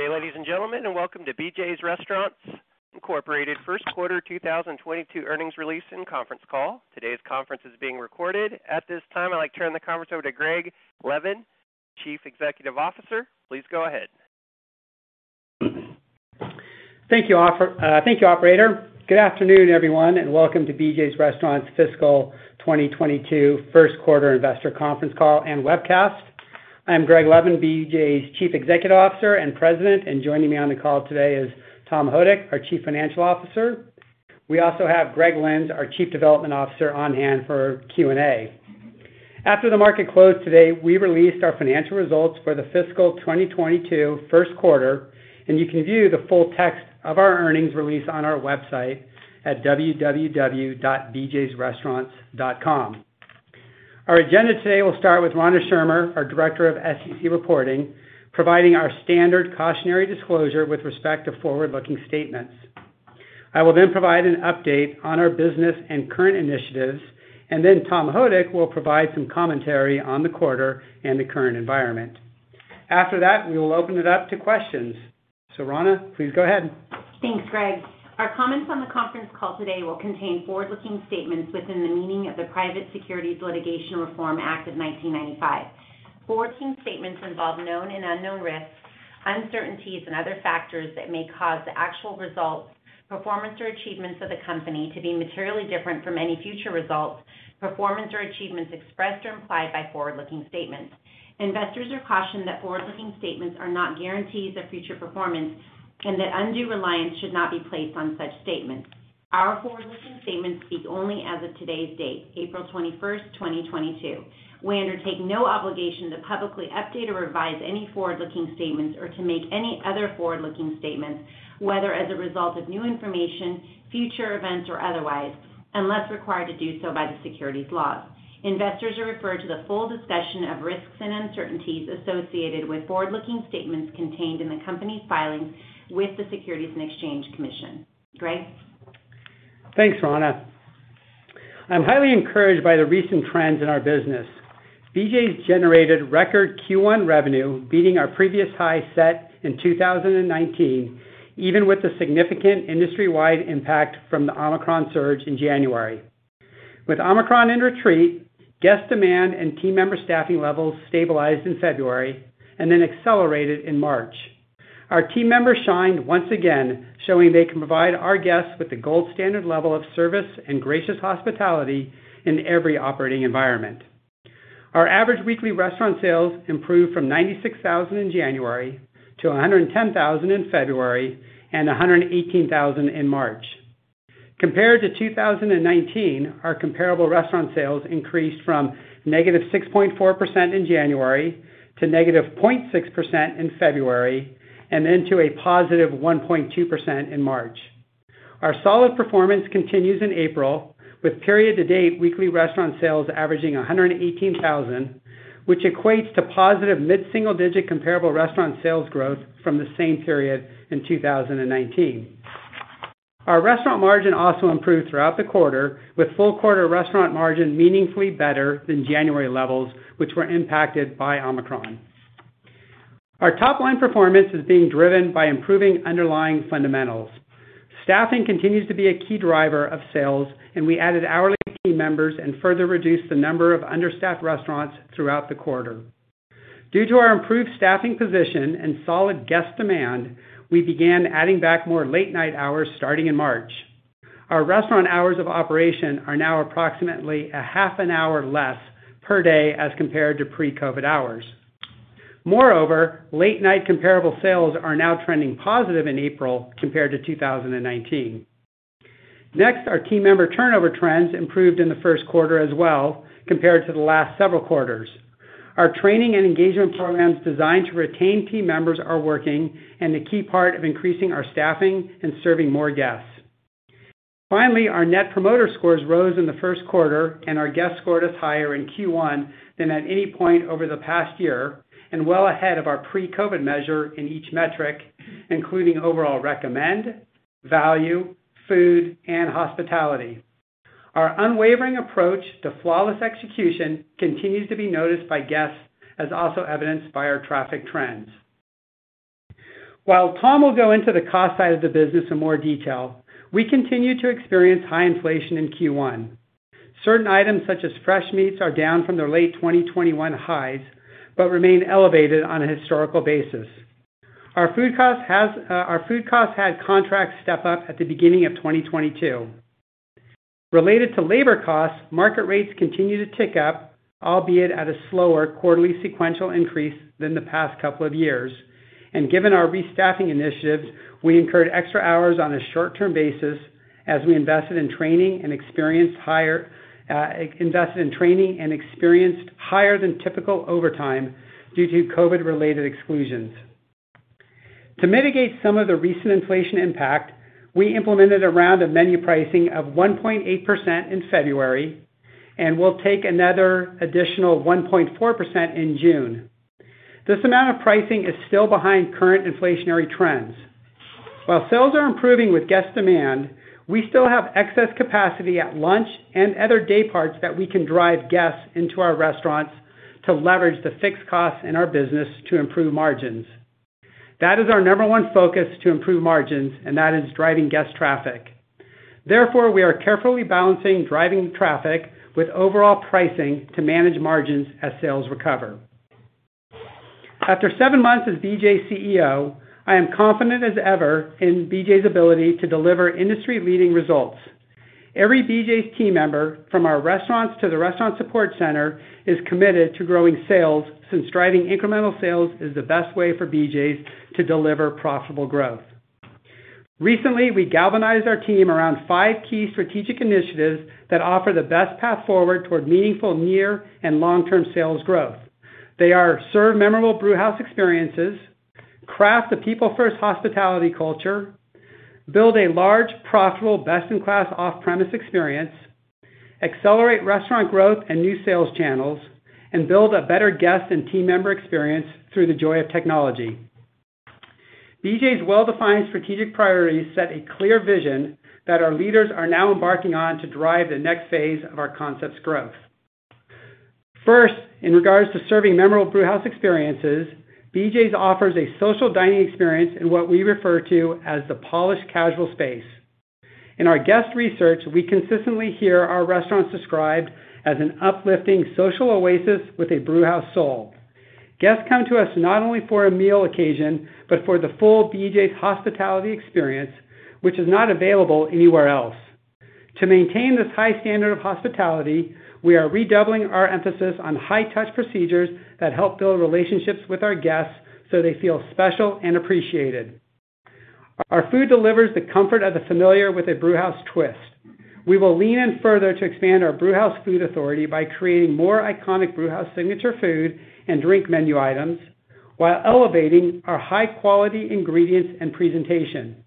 Good day, ladies and gentlemen, and welcome to BJ's Restaurants, Inc. Q1 2022 Earnings Release and Conference Call. Today's conference is being recorded. At this time, I'd like to turn the conference over to Greg Levin, Chief Executive Officer. Please go ahead. Thank you, operator. Good afternoon, everyone, and welcome to BJ's Restaurants' Fiscal 2022 Q1 Investor Conference Call and Webcast. I'm Greg Levin, BJ's Chief Executive Officer and President. Joining me on the call today is Tom Houdek, our Chief Financial Officer. We also have Greg Lynds, our Chief Development Officer on hand for Q&A. After the market closed today, we released our financial results for the fiscal 2022 Q1, and you can view the full text of our earnings release on our website at www.bjsrestaurants.com. Our agenda today will start with Rana Schirmer, our Director of SEC Reporting, providing our standard cautionary disclosure with respect to forward-looking statements. I will then provide an update on our business and current initiatives, and then Tom Houdek will provide some commentary on the quarter and the current environment. After that, we will open it up to questions. Rana, please go ahead. Thanks, Greg. Our comments on the conference call today will contain forward-looking statements within the meaning of the Private Securities Litigation Reform Act of 1995. Forward-looking statements involve known and unknown risks, uncertainties, and other factors that may cause the actual results, performance, or achievements of the company to be materially different from any future results, performance, or achievements expressed or implied by forward-looking statements. Investors are cautioned that forward-looking statements are not guarantees of future performance and that undue reliance should not be placed on such statements. Our forward-looking statements speak only as of today's date, April 21st, 2022. We undertake no obligation to publicly update or revise any forward-looking statements or to make any other forward-looking statements, whether as a result of new information, future events, or otherwise, unless required to do so by the securities laws. Investors are referred to the full discussion of risks and uncertainties associated with forward-looking statements contained in the company's filings with the Securities and Exchange Commission. Greg? Thanks, Rana. I'm highly encouraged by the recent trends in our business. BJ's generated record Q1 revenue, beating our previous high set in 2019, even with the significant industry-wide impact from the Omicron surge in January. With Omicron in retreat, guest demand and team member staffing levels stabilized in February and then accelerated in March. Our team members shined once again, showing they can provide our guests with the gold standard level of service and gracious hospitality in every operating environment. Our average weekly restaurant sales improved from $96,000 in January to $110,000 in February and $118,000 in March. Compared to 2019, our comparable restaurant sales increased from -6.4% in January to -0.6% in February and then to +1.2% in March. Our solid performance continues in April, with period-to-date weekly restaurant sales averaging $118,000, which equates to positive mid-single digit comparable restaurant sales growth from the same period in 2019. Our restaurant margin also improved throughout the quarter, with full quarter restaurant margin meaningfully better than January levels, which were impacted by Omicron. Our top line performance is being driven by improving underlying fundamentals. Staffing continues to be a key driver of sales, and we added hourly team members and further reduced the number of understaffed restaurants throughout the quarter. Due to our improved staffing position and solid guest demand, we began adding back more late night hours starting in March. Our restaurant hours of operation are now approximately a half an hour less per day as compared to pre-COVID hours. Moreover, late night comparable sales are now trending positive in April compared to 2019. Next, our team member turnover trends improved in the Q1 as well compared to the last several quarters. Our training and engagement programs designed to retain team members are working and a key part of increasing our staffing and serving more guests. Finally, our Net Promoter Score rose in the Q1 and our guest scored us higher in Q1 than at any point over the past year and well ahead of our pre-COVID measure in each metric, including overall recommend, value, food, and hospitality. Our unwavering approach to flawless execution continues to be noticed by guests as also evidenced by our traffic trends. While Tom will go into the cost side of the business in more detail, we continue to experience high inflation in Q1. Certain items such as fresh meats are down from their late 2021 highs, but remain elevated on a historical basis. Our food costs had contracts step up at the beginning of 2022. Related to labor costs, market rates continue to tick up, albeit at a slower quarterly sequential increase than the past couple of years. Given our restaffing initiatives, we incurred extra hours on a short-term basis as we invested in training and experienced higher than typical overtime due to COVID-related exclusions. To mitigate some of the recent inflation impact, we implemented a round of menu pricing of 1.8% in February, and we'll take another additional 1.4% in June. This amount of pricing is still behind current inflationary trends. While sales are improving with guest demand, we still have excess capacity at lunch and other day parts that we can drive guests into our restaurants to leverage the fixed costs in our business to improve margins. That is our number one focus to improve margins, and that is driving guest traffic. Therefore, we are carefully balancing driving traffic with overall pricing to manage margins as sales recover. After seven months as BJ's CEO, I am confident as ever in BJ's ability to deliver industry-leading results. Every BJ's team member, from our restaurants to the restaurant support center, is committed to growing sales since driving incremental sales is the best way for BJ's to deliver profitable growth. Recently, we galvanized our team around five key strategic initiatives that offer the best path forward toward meaningful near and long-term sales growth. To serve memorable Brewhouse experiences, craft a people-first hospitality culture, build a large, profitable, best-in-class off-premise experience, accelerate restaurant growth and new sales channels, and build a better guest and team member experience through the joy of technology. BJ's well-defined strategic priorities set a clear vision that our leaders are now embarking on to drive the next phase of our concept's growth. First, in regards to serving memorable Brewhouse experiences, BJ's offers a social dining experience in what we refer to as the polished casual space. In our guest research, we consistently hear our restaurants described as an uplifting social oasis with a Brewhouse soul. Guests come to us not only for a meal occasion, but for the full BJ's hospitality experience, which is not available anywhere else. To maintain this high standard of hospitality, we are redoubling our emphasis on high-touch procedures that help build relationships with our guests so they feel special and appreciated. Our food delivers the comfort of the familiar with a brewhouse twist. We will lean in further to expand our brewhouse food authority by creating more iconic brewhouse signature food and drink menu items while elevating our high-quality ingredients and presentation.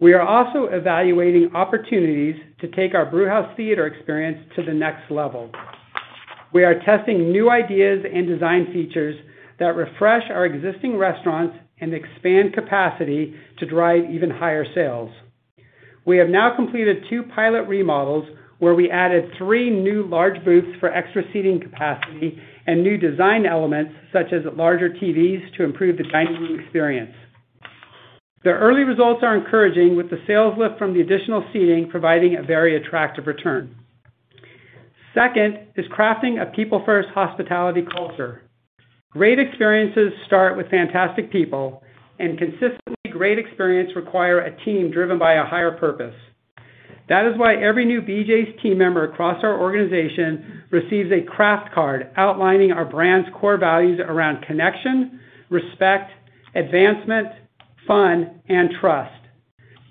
We are also evaluating opportunities to take our brewhouse theater experience to the next level. We are testing new ideas and design features that refresh our existing restaurants and expand capacity to drive even higher sales. We have now completed two pilot remodels where we added three new large booths for extra seating capacity and new design elements such as larger TVs to improve the dining room experience. The early results are encouraging with the sales lift from the additional seating providing a very attractive return. Second is crafting a people-first hospitality culture. Great experiences start with fantastic people, and consistently great experiences require a team driven by a higher purpose. That is why every new BJ's team member across our organization receives a CRAFT card outlining our brand's core values around connection, respect, advancement, fun, and trust.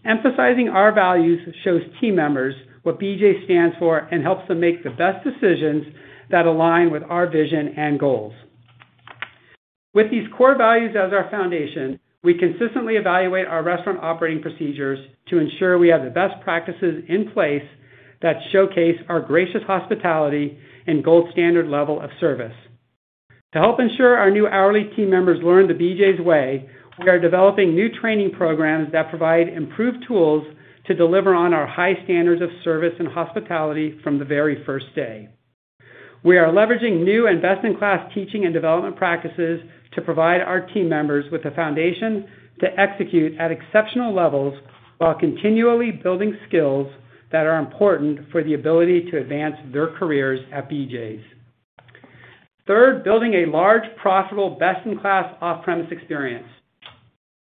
Emphasizing our values shows team members what BJ stands for and helps them make the best decisions that align with our vision and goals. With these core values as our foundation, we consistently evaluate our restaurant operating procedures to ensure we have the best practices in place that showcase our gracious hospitality and gold standard level of service. To help ensure our new hourly team members learn the BJ's way, we are developing new training programs that provide improved tools to deliver on our high standards of service and hospitality from the very first day. We are leveraging new and best-in-class teaching and development practices to provide our team members with the foundation to execute at exceptional levels while continually building skills that are important for the ability to advance their careers at BJ's. Third, building a large, profitable, best-in-class off-premise experience.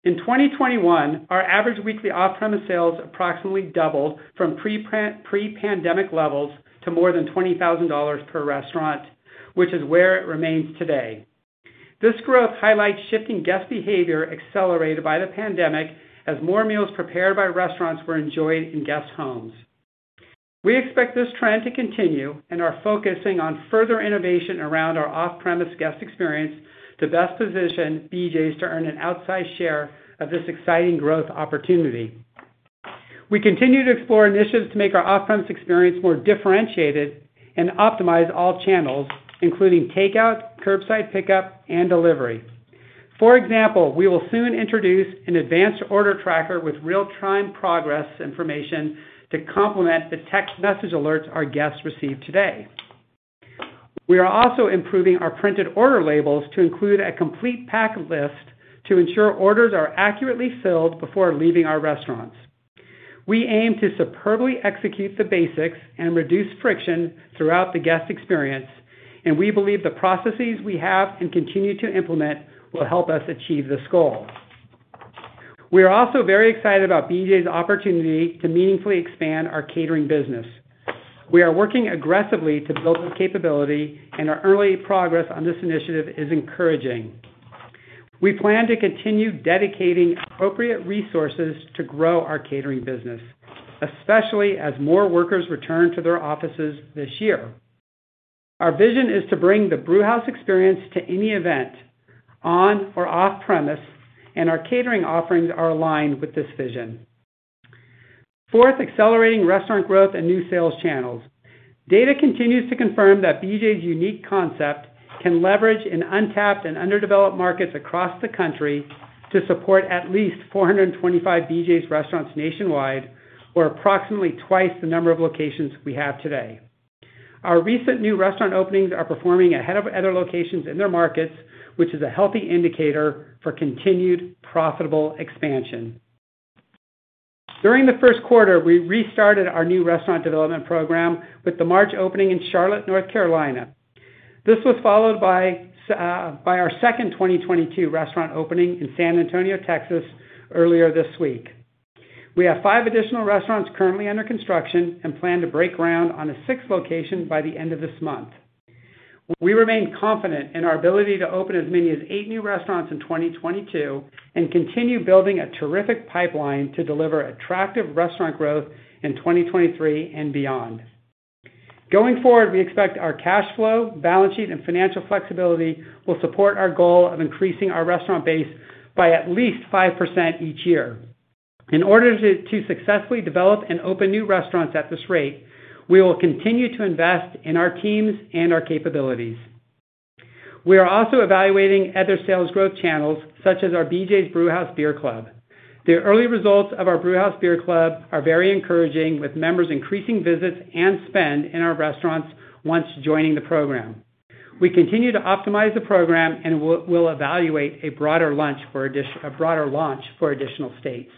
In 2021, our average weekly off-premise sales approximately doubled from pre-pandemic levels to more than $20,000 per restaurant, which is where it remains today. This growth highlights shifting guest behavior accelerated by the pandemic as more meals prepared by restaurants were enjoyed in guests' homes. We expect this trend to continue and are focusing on further innovation around our off-premise guest experience to best position BJ's to earn an outsized share of this exciting growth opportunity. We continue to explore initiatives to make our off-premise experience more differentiated and optimize all channels, including takeout, curbside pickup, and delivery. For example, we will soon introduce an advanced order tracker with real-time progress information to complement the text message alerts our guests receive today. We are also improving our printed order labels to include a complete pack list to ensure orders are accurately filled before leaving our restaurants. We aim to superbly execute the basics and reduce friction throughout the guest experience, and we believe the processes we have and continue to implement will help us achieve this goal. We are also very excited about BJ's opportunity to meaningfully expand our catering business. We are working aggressively to build this capability, and our early progress on this initiative is encouraging. We plan to continue dedicating appropriate resources to grow our catering business, especially as more workers return to their offices this year. Our vision is to bring the brewhouse experience to any event on or off premises, and our catering offerings are aligned with this vision. Fourth, accelerating restaurant growth and new sales channels. Data continues to confirm that BJ's unique concept can leverage untapped and underdeveloped markets across the country to support at least 425 BJ's Restaurants nationwide, or approximately twice the number of locations we have today. Our recent new restaurant openings are performing ahead of other locations in their markets, which is a healthy indicator for continued profitable expansion. During the Q1, we restarted our new restaurant development program with the March opening in Charlotte, North Carolina. This was followed by our second 2022 restaurant opening in San Antonio, Texas earlier this week. We have five additional restaurants currently under construction and plan to break ground on a sixth location by the end of this month. We remain confident in our ability to open as many as eight new restaurants in 2022 and continue building a terrific pipeline to deliver attractive restaurant growth in 2023 and beyond. Going forward, we expect our cash flow, balance sheet, and financial flexibility will support our goal of increasing our restaurant base by at least 5% each year. In order to successfully develop and open new restaurants at this rate, we will continue to invest in our teams and our capabilities. We are also evaluating other sales growth channels such as our BJ's Brewhouse Beer Club. The early results of our Brewhouse Beer Club are very encouraging, with members increasing visits and spend in our restaurants once joining the program. We continue to optimize the program and we'll evaluate a broader launch for additional states.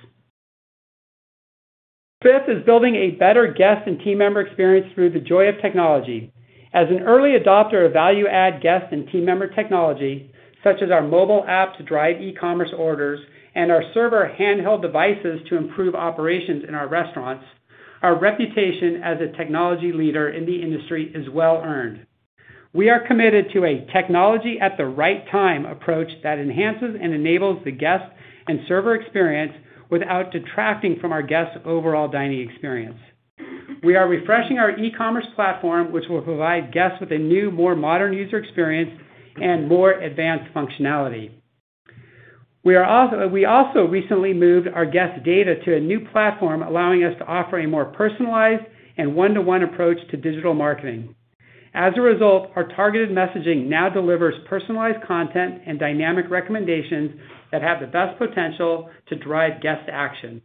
Fifth is building a better guest and team member experience through the joy of technology. As an early adopter of value-add guest and team member technology, such as our mobile app to drive e-commerce orders and our server handheld devices to improve operations in our restaurants, our reputation as a technology leader in the industry is well-earned. We are committed to a technology at the right time approach that enhances and enables the guest and server experience without detracting from our guests' overall dining experience. We are refreshing our e-commerce platform, which will provide guests with a new, more modern user experience and more advanced functionality. We are also recently moved our guest data to a new platform, allowing us to offer a more personalized and one-to-one approach to digital marketing. As a result, our targeted messaging now delivers personalized content and dynamic recommendations that have the best potential to drive guest action.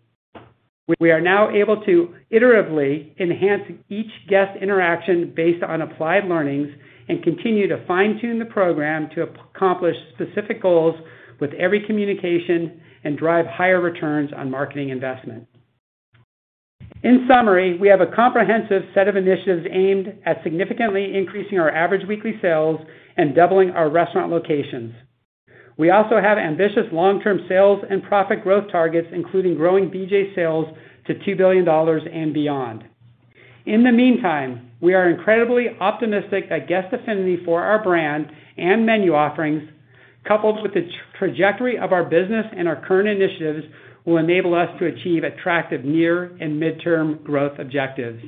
We are now able to iteratively enhance each guest interaction based on applied learnings and continue to fine-tune the program to accomplish specific goals with every communication and drive higher returns on marketing investment. In summary, we have a comprehensive set of initiatives aimed at significantly increasing our average weekly sales and doubling our restaurant locations. We also have ambitious long-term sales and profit growth targets, including growing BJ's sales to $2 billion and beyond. In the meantime, we are incredibly optimistic that guest affinity for our brand and menu offerings, coupled with the trajectory of our business and our current initiatives, will enable us to achieve attractive near and midterm growth objectives.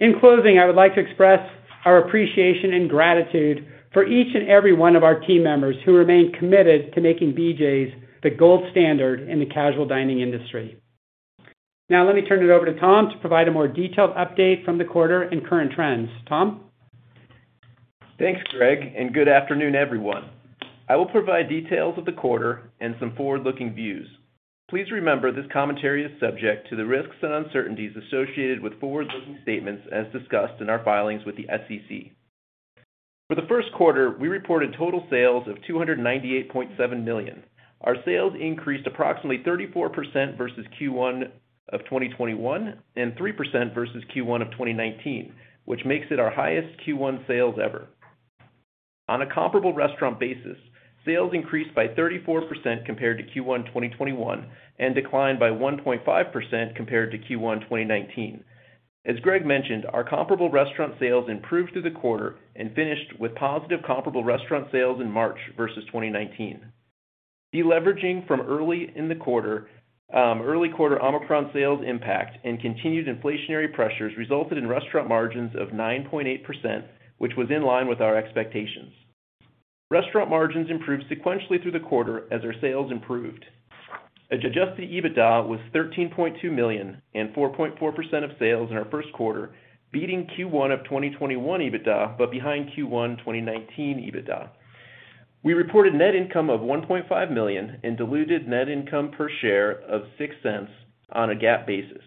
In closing, I would like to express our appreciation and gratitude for each and every one of our team members who remain committed to making BJ's the gold standard in the casual dining industry. Now, let me turn it over to Tom to provide a more detailed update from the quarter and current trends. Tom? Thanks, Greg, and good afternoon, everyone. I will provide details of the quarter and some forward-looking views. Please remember this commentary is subject to the risks and uncertainties associated with forward-looking statements as discussed in our filings with the SEC. For the Q1, we reported total sales of $298.7 million. Our sales increased approximately 34% versus Q1 of 2021, and 3% versus Q1 of 2019, which makes it our highest Q1 sales ever. On a comparable restaurant basis, sales increased by 34% compared to Q1 2021, and declined by 1.5% compared to Q1 2019. As Greg mentioned, our comparable restaurant sales improved through the quarter and finished with positive comparable restaurant sales in March versus 2019. Deleveraging from early in the quarter, early quarter Omicron sales impact and continued inflationary pressures resulted in restaurant margins of 9.8%, which was in line with our expectations. Restaurant margins improved sequentially through the quarter as our sales improved. Adjusted EBITDA was $13.2 million and 4.4% of sales in our Q1, beating Q1 of 2021 EBITDA, but behind Q1 2019 EBITDA. We reported net income of $1.5 million and diluted net income per share of $0.06 on a GAAP basis.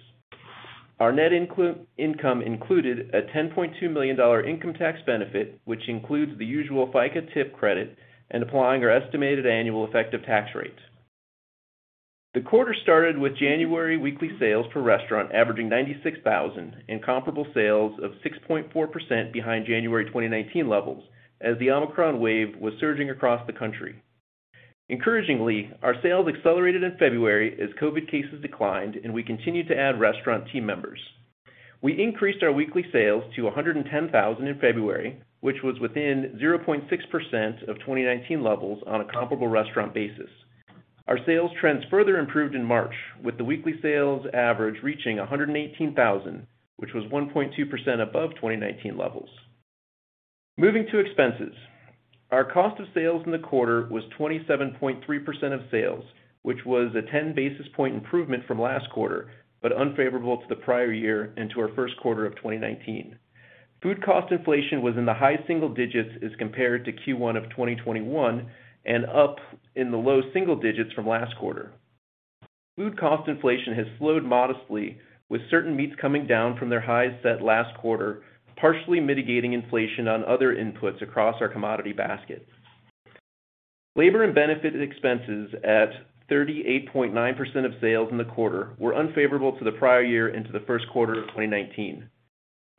Our net income included a $10.2 million income tax benefit, which includes the usual FICA Tip Credit and applying our estimated annual effective tax rates. The quarter started with January weekly sales per restaurant averaging $96,000 and comparable sales of 6.4% behind January 2019 levels as the Omicron wave was surging across the country. Encouragingly, our sales accelerated in February as COVID cases declined, and we continued to add restaurant team members. We increased our weekly sales to $110,000 in February, which was within 0.6% of 2019 levels on a comparable restaurant basis. Our sales trends further improved in March with the weekly sales average reaching $118,000, which was 1.2% above 2019 levels. Moving to expenses. Our cost of sales in the quarter was 27.3% of sales, which was a 10 basis point improvement from last quarter, but unfavorable to the prior year and to our Q1 of 2019. Food cost inflation was in the high single digits as compared to Q1 of 2021 and up in the low single digits from last quarter. Food cost inflation has slowed modestly, with certain meats coming down from their highs set last quarter, partially mitigating inflation on other inputs across our commodity baskets. Labor and benefit expenses at 38.9% of sales in the quarter were unfavorable to the prior year into the Q1 of 2019.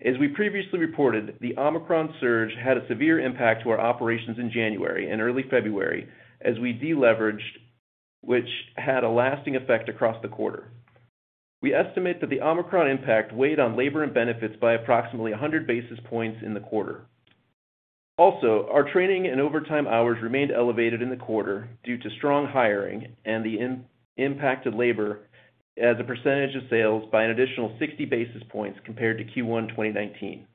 As we previously reported, the Omicron surge had a severe impact to our operations in January and early February as we de-leveraged, which had a lasting effect across the quarter. We estimate that the Omicron impact weighed on labor and benefits by approximately 100 basis points in the quarter. Also, our training and overtime hours remained elevated in the quarter due to strong hiring and the impact of labor as a percentage of sales by an additional 60 basis points compared to Q1 2019.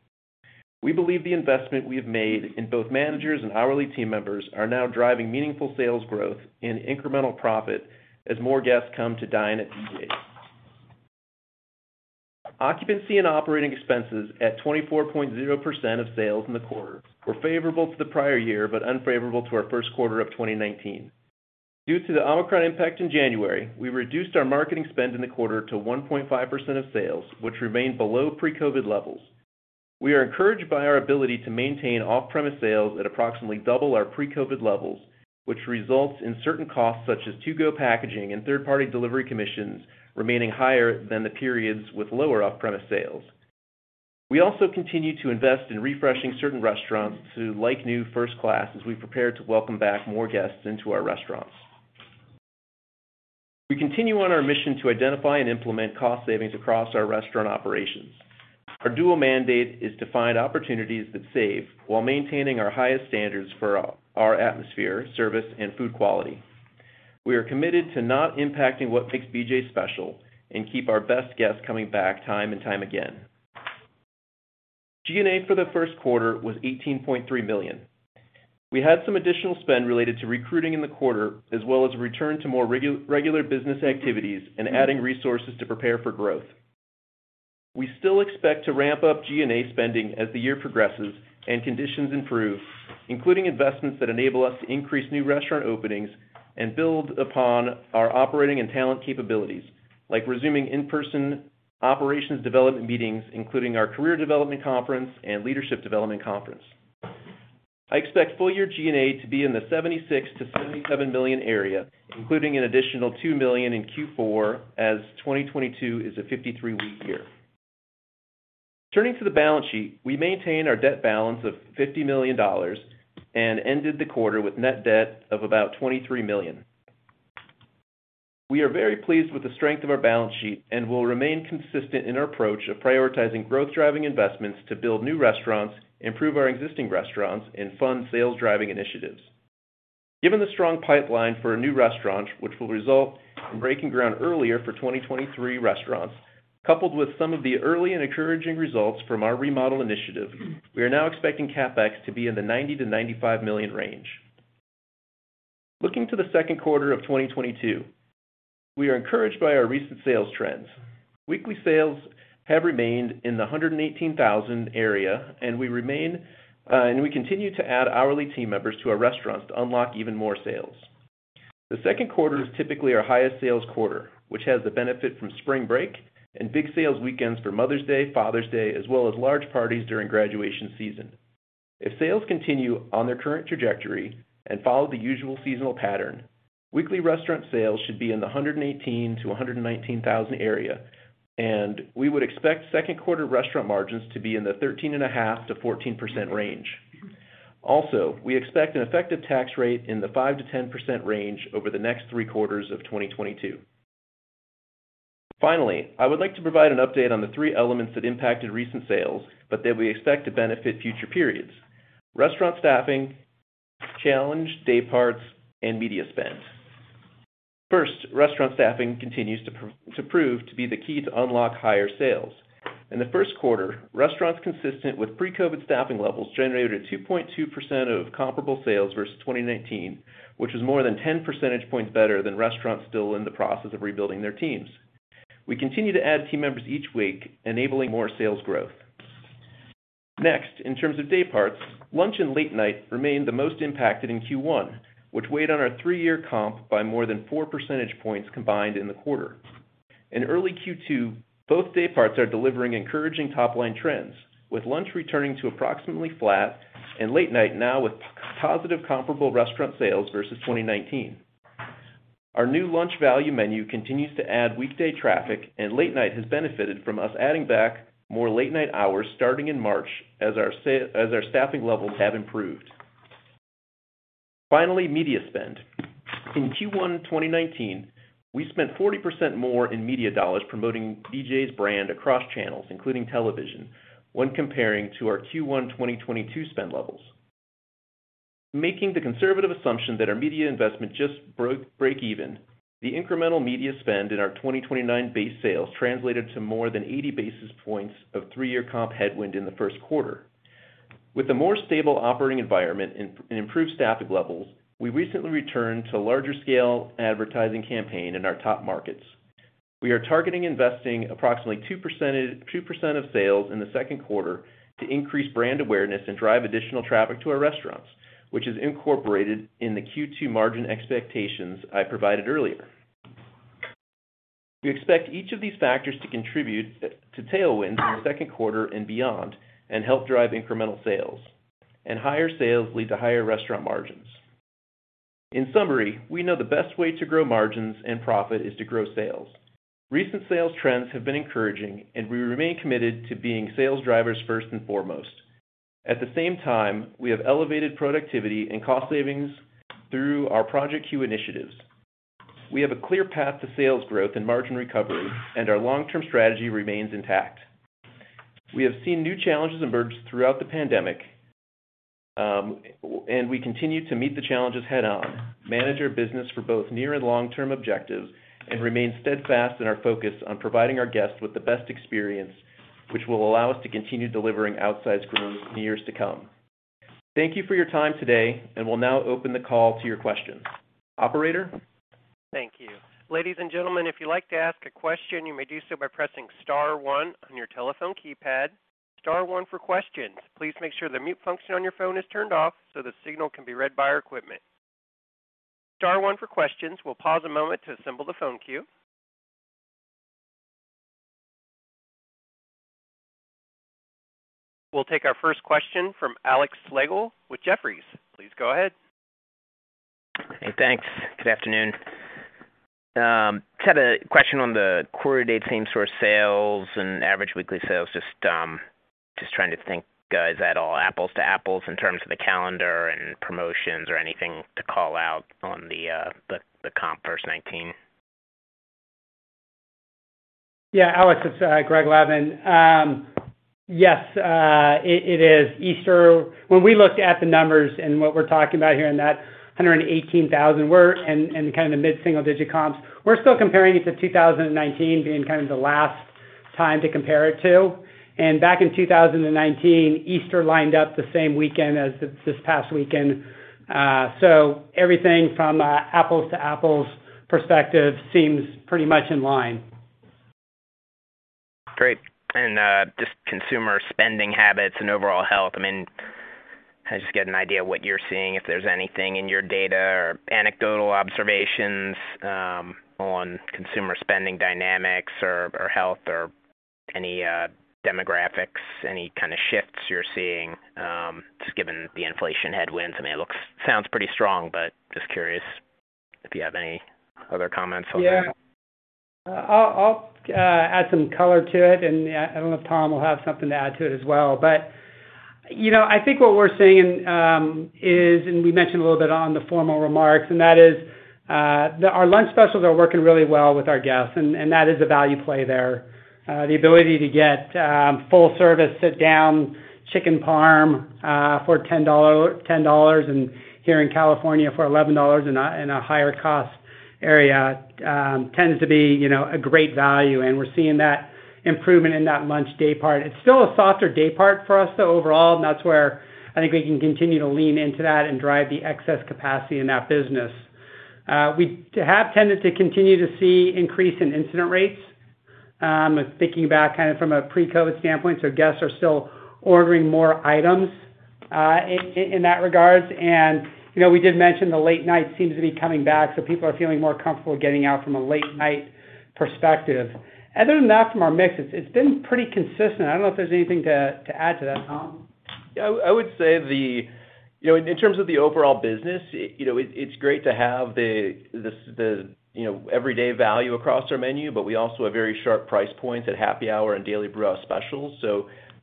We believe the investment we have made in both managers and hourly team members are now driving meaningful sales growth and incremental profit as more guests come to dine at BJ's. Occupancy and operating expenses at 24.0% of sales in the quarter were favorable to the prior year, but unfavorable to our Q1 of 2019. Due to the Omicron impact in January, we reduced our marketing spend in the quarter to 1.5% of sales, which remained below pre-COVID levels. We are encouraged by our ability to maintain off-premise sales at approximately double our pre-COVID levels, which results in certain costs such as to-go packaging and third-party delivery commissions remaining higher than the periods with lower off-premise sales. We also continue to invest in refreshing certain restaurants to like-new, first-class as we prepare to welcome back more guests into our restaurants. We continue on our mission to identify and implement cost savings across our restaurant operations. Our dual mandate is to find opportunities that save while maintaining our highest standards for our atmosphere, service, and food quality. We are committed to not impacting what makes BJ's special and keep our best guests coming back time and time again. G&A for the Q1 was $18.3 million. We had some additional spend related to recruiting in the quarter, as well as a return to more regular business activities and adding resources to prepare for growth. We still expect to ramp up G&A spending as the year progresses and conditions improve, including investments that enable us to increase new restaurant openings and build upon our operating and talent capabilities, like resuming in-person operations development meetings, including our career development conference and leadership development conference. I expect full year G&A to be in the $76 million-$77 million area, including an additional $2 million in Q4, as 2022 is a 53-week year. Turning to the balance sheet, we maintain our debt balance of $50 million and ended the quarter with net debt of about $23 million. We are very pleased with the strength of our balance sheet and will remain consistent in our approach of prioritizing growth-driving investments to build new restaurants, improve our existing restaurants, and fund sales-driving initiatives. Given the strong pipeline for a new restaurant, which will result in breaking ground earlier for 2023 restaurants, coupled with some of the early and encouraging results from our remodel initiative, we are now expecting CapEx to be in the $90 million-$95 million range. Looking to the Q2 of 2022, we are encouraged by our recent sales trends. Weekly sales have remained in the $118,000 area, and we continue to add hourly team members to our restaurants to unlock even more sales. The Q2 is typically our highest sales quarter, which has the benefit from spring break and big sales weekends for Mother's Day, Father's Day, as well as large parties during graduation season. If sales continue on their current trajectory and follow the usual seasonal pattern, weekly restaurant sales should be in the $118,000-$119,000 area, and we would expect Q2 restaurant margins to be in the 13.5%-14% range. Also, we expect an effective tax rate in the 5%-10% range over the next three quarters of 2022. Finally, I would like to provide an update on the three elements that impacted recent sales, but that we expect to benefit future periods. Restaurant staffing challenges, day parts, and media spend. First, restaurant staffing continues to prove to be the key to unlock higher sales. In the Q1, restaurants consistent with pre-COVID staffing levels generated 2.2% comparable sales versus 2019, which is more than 10% points better than restaurants still in the process of rebuilding their teams. We continue to add team members each week, enabling more sales growth. Next, in terms of day parts, lunch and late night remained the most impacted in Q1, which weighed on our three-year comp by more than 4% points combined in the quarter. In early Q2, both day parts are delivering encouraging top-line trends, with lunch returning to approximately flat and late night now with positive comparable restaurant sales versus 2019. Our new lunch value menu continues to add weekday traffic, and late night has benefited from us adding back more late night hours starting in March as our staffing levels have improved. Finally, media spend. In Q1 2019, we spent 40% more in media dollars promoting BJ's brand across channels, including television, when comparing to our Q1 2022 spend levels. Making the conservative assumption that our media investment just break even, the incremental media spend in our 2019 base sales translated to more than 80 basis points of three-year comp headwind in the Q1. With a more stable operating environment and improved staffing levels, we recently returned to larger scale advertising campaign in our top markets. We are targeting investing approximately 2% of sales in the Q2 to increase brand awareness and drive additional traffic to our restaurants, which is incorporated in the Q2 margin expectations I provided earlier. We expect each of these factors to contribute to tailwinds in the Q2 and beyond, and help drive incremental sales. Higher sales lead to higher restaurant margins. In summary, we know the best way to grow margins and profit is to grow sales. Recent sales trends have been encouraging, and we remain committed to being sales drivers first and foremost. At the same time, we have elevated productivity and cost savings through our Project Q initiatives. We have a clear path to sales growth and margin recovery, and our long-term strategy remains intact. We have seen new challenges emerge throughout the pandemic, and we continue to meet the challenges head on, manage our business for both near and long-term objectives, and remain steadfast in our focus on providing our guests with the best experience, which will allow us to continue delivering outsized returns in the years to come. Thank you for your time today, and we'll now open the call to your questions. Operator? Thank you. Ladies and gentlemen, if you'd like to ask a question, you may do so by pressing star one on your telephone keypad. Star one for questions. Please make sure the mute function on your phone is turned off so the signal can be read by our equipment. Star one for questions. We'll pause a moment to assemble the phone queue. We'll take our first question from Alexander Slagle with Jefferies. Please go ahead. Hey, thanks. Good afternoon. Just had a question on the quarter-to-date same-store sales and average weekly sales. Just trying to think, is that all apples-to-apples in terms of the calendar and promotions or anything to call out on the comp for the first 19 weeks? Yeah. Alex, it's Greg Levin. Yes, it is. Easter. When we looked at the numbers and what we're talking about here in that 118,000 were and kind of the mid-single digit comps, we're still comparing it to 2019 being kind of the last time to compare it to. Back in 2019, Easter lined up the same weekend as this past weekend. Everything from an apples-to-apples perspective seems pretty much in line. Great. Just consumer spending habits and overall health. I mean, can I just get an idea of what you're seeing, if there's anything in your data or anecdotal observations on consumer spending dynamics or health or any demographics, any kind of shifts you're seeing just given the inflation headwinds? I mean, it looks, sounds pretty strong, but just curious if you have any other comments on that. Yeah. I'll add some color to it and I don't know if Tom will have something to add to it as well. You know, I think what we're seeing is and we mentioned a little bit on the formal remarks, and that is, our lunch specials are working really well with our guests, and that is a value play there. The ability to get full service sit down chicken parm for $10 and here in California for $11 in a higher cost area tends to be a great value. You know, we're seeing that improvement in that lunch day part. It's still a softer day part for us though overall, and that's where I think we can continue to lean into that and drive the excess capacity in that business. We have tended to continue to see increase in incidence rates, thinking back kind of from a pre-COVID standpoint. Guests are still ordering more items in that regard. You know, we did mention the late night seems to be coming back, people are feeling more comfortable getting out from a late night perspective. Other than that, from our mix, it's been pretty consistent. I don't know if there's anything to add to that, Tom. Yeah. I would say, you know, in terms of the overall business, you know, it's great to have the, you know, everyday value across our menu, but we also have very sharp price points at happy hour and daily brewhouse specials.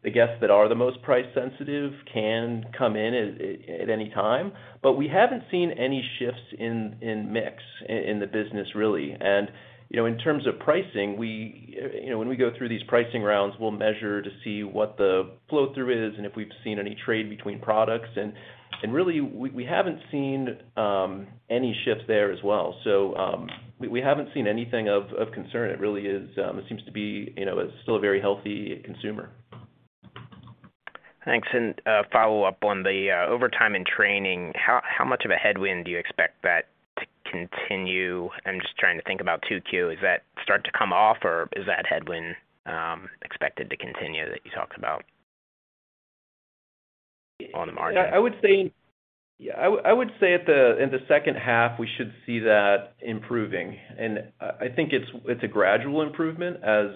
The guests that are the most price sensitive can come in at any time. We haven't seen any shifts in mix in the business, really. You know, in terms of pricing, we, you know, when we go through these pricing rounds, we'll measure to see what the flow through is and if we've seen any trade between products. Really, we haven't seen any shifts there as well. We haven't seen anything of concern. It really is, it seems to be, you know, still a very healthy consumer. Thanks. Follow up on the overtime and training. How much of a headwind do you expect that to continue? I'm just trying to think about 2Q. Does that start to come off or is that headwind expected to continue that you talked about on the margin? I would say in the second half, we should see that improving. I think it's a gradual improvement. As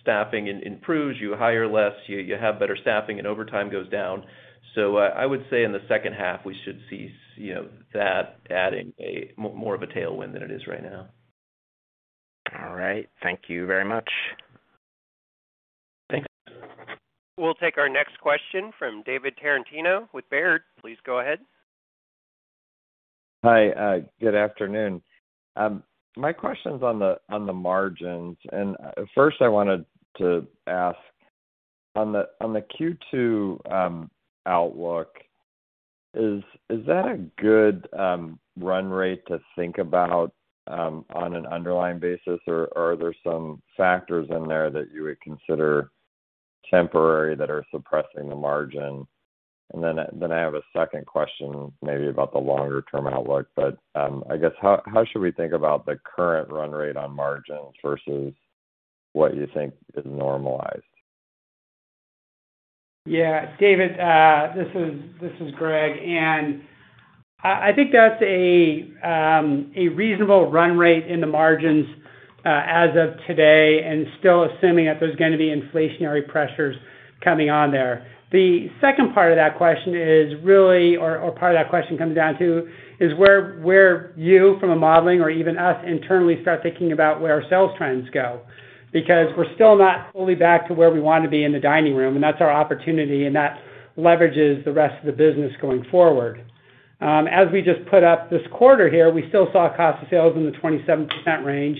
staffing improves, you hire less, you have better staffing, and overtime goes down. I would say in the second half, we should see that adding more of a tailwind than it is right now. All right. Thank you very much. Thanks. We'll take our next question from David Tarantino with Baird. Please go ahead. Hi, good afternoon. My question's on the margins. First, I wanted to ask on the Q2 outlook. Is that a good run rate to think about on an underlying basis, or are there some factors in there that you would consider temporary that are suppressing the margin? Then I have a second question maybe about the longer-term outlook. I guess, how should we think about the current run rate on margins versus what you think is normalized? Yeah. David, this is Greg. I think that's a reasonable run rate in the margins as of today, and still assuming that there's gonna be inflationary pressures coming on there. The second part of that question is really or part of that question comes down to is where you from a modeling or even us internally start thinking about where our sales trends go. Because we're still not fully back to where we wanna be in the dining room, and that's our opportunity and that leverages the rest of the business going forward. As we just put up this quarter here, we still saw cost of sales in the 27% range.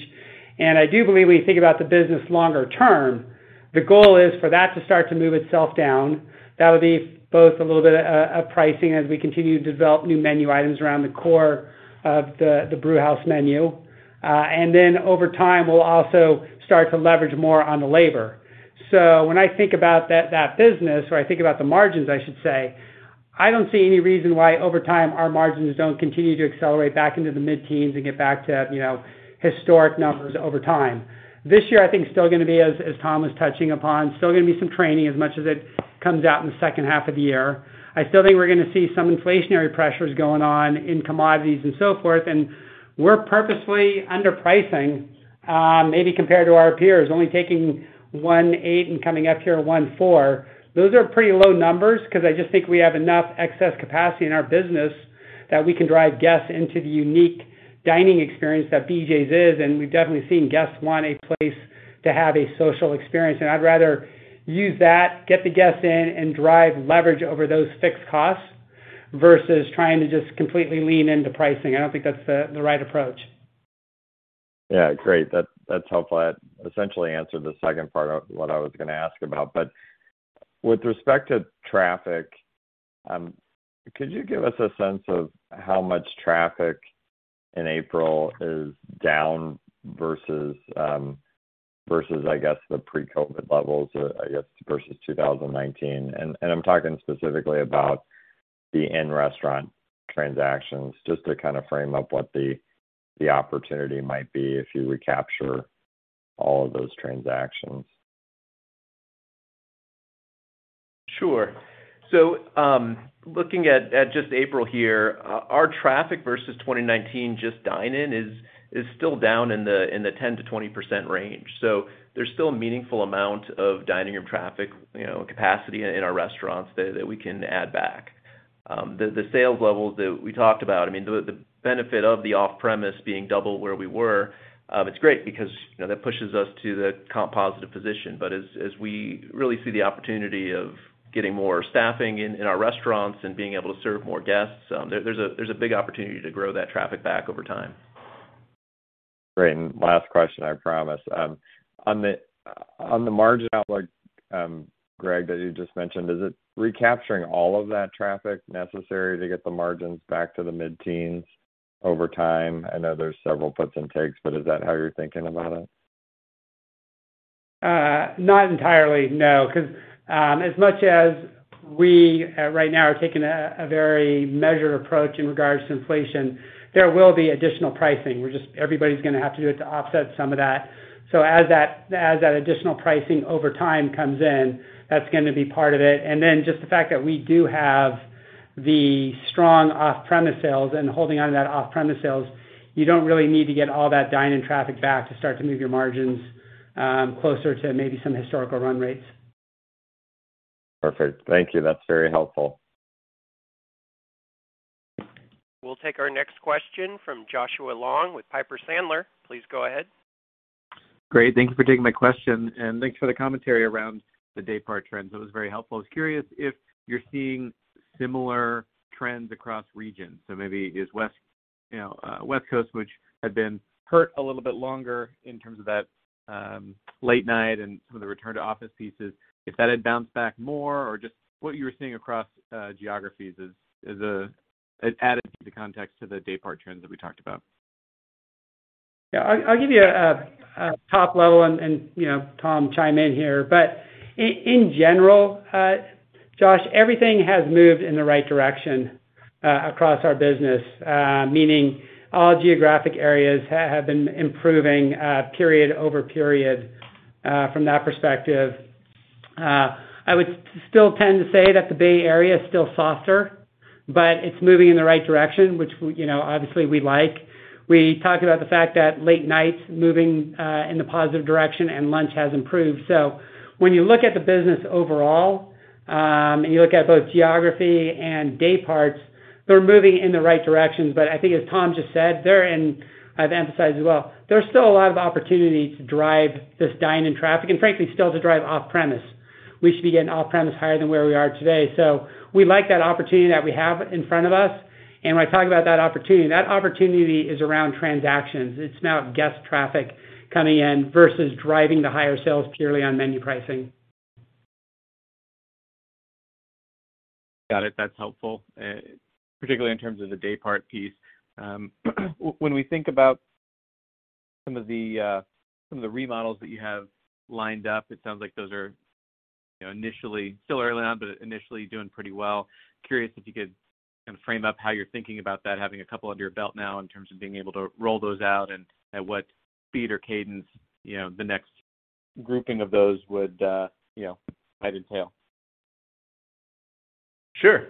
I do believe when you think about the business longer term, the goal is for that to start to move itself down. That would be both a little bit of pricing as we continue to develop new menu items around the core of the Brewhouse menu. Over time, we'll also start to leverage more on the labor. When I think about that business or I think about the margins, I should say, I don't see any reason why over time our margins don't continue to accelerate back into the mid-teens and get back to, you know, historic numbers over time. This year, I think it's still gonna be as Tom was touching upon, still gonna be some training as much as it comes out in the second half of the year. I still think we're gonna see some inflationary pressures going on in commodities and so forth. We're purposefully underpricing, maybe compared to our peers, only taking 1.8% and coming up here 1.4%. Those are pretty low numbers because I just think we have enough excess capacity in our business that we can drive guests into the unique dining experience that BJ's is, and we've definitely seen guests want a place to have a social experience. I'd rather use that, get the guests in and drive leverage over those fixed costs versus trying to just completely lean into pricing. I don't think that's the right approach. Yeah, great. That's helpful. That essentially answered the second part of what I was gonna ask about. With respect to traffic, could you give us a sense of how much traffic in April is down versus the pre-COVID levels, I guess versus 2019? I'm talking specifically about the in-restaurant transactions, just to kind of frame up what the opportunity might be if you recapture all of those transactions. Sure. Looking at just April here, our traffic versus 2019 just dine-in is still down in the 10%-20% range. There's still a meaningful amount of dine-in room traffic, you know, capacity in our restaurants that we can add back. The sales levels that we talked about, I mean, the benefit of the off-premise being double where we were, it's great because, you know, that pushes us to the comp positive position. As we really see the opportunity of getting more staffing in our restaurants and being able to serve more guests, there's a big opportunity to grow that traffic back over time. Great. Last question, I promise. On the margin outlook, Greg, that you just mentioned, is it recapturing all of that traffic necessary to get the margins back to the mid-teens over time? I know there's several puts and takes, but is that how you're thinking about it? Not entirely, no. Because, as much as we right now are taking a very measured approach in regards to inflation, there will be additional pricing. We're just. Everybody's gonna have to do it to offset some of that. As that additional pricing over time comes in, that's gonna be part of it. Just the fact that we do have the strong off-premise sales and holding on to that off-premise sales, you don't really need to get all that dine-in traffic back to start to move your margins, closer to maybe some historical run rates. Perfect. Thank you. That's very helpful. We'll take our next question from Joshua Long with Piper Sandler. Please go ahead. Great. Thank you for taking my question, and thanks for the commentary around the day part trends. That was very helpful. I was curious if you're seeing similar trends across regions. Maybe it's West Coast, which had been hurt a little bit longer in terms of that, late night and some of the return to office pieces, if that had bounced back more or just what you were seeing across geographies as an added to the context to the day part trends that we talked about. Yeah. I'll give you a top level and, you know, Tom chime in here. In general, Josh, everything has moved in the right direction across our business, meaning all geographic areas have been improving period over period from that perspective. I would still tend to say that the Bay Area is still softer, but it's moving in the right direction, which we, you know, obviously we like. We talked about the fact that late night is moving in the positive direction and lunch has improved. When you look at the business overall, and you look at both geography and day parts, they're moving in the right directions. I think as Tom just said, there and I've emphasized as well, there's still a lot of opportunity to drive this dine-in traffic, and frankly, still to drive off-premise. We should be getting off-premise higher than where we are today. We like that opportunity that we have in front of us. When I talk about that opportunity, that opportunity is around transactions. It's about guest traffic coming in versus driving the higher sales purely on menu pricing. Got it. That's helpful, particularly in terms of the day part piece. When we think about some of the remodels that you have lined up, it sounds like those are, you know, initially still early on, but initially doing pretty well. Curious if you could kind of frame up how you're thinking about that, having a couple under your belt now in terms of being able to roll those out and at what speed or cadence, you know, the next grouping of those would, you know, might entail. Sure.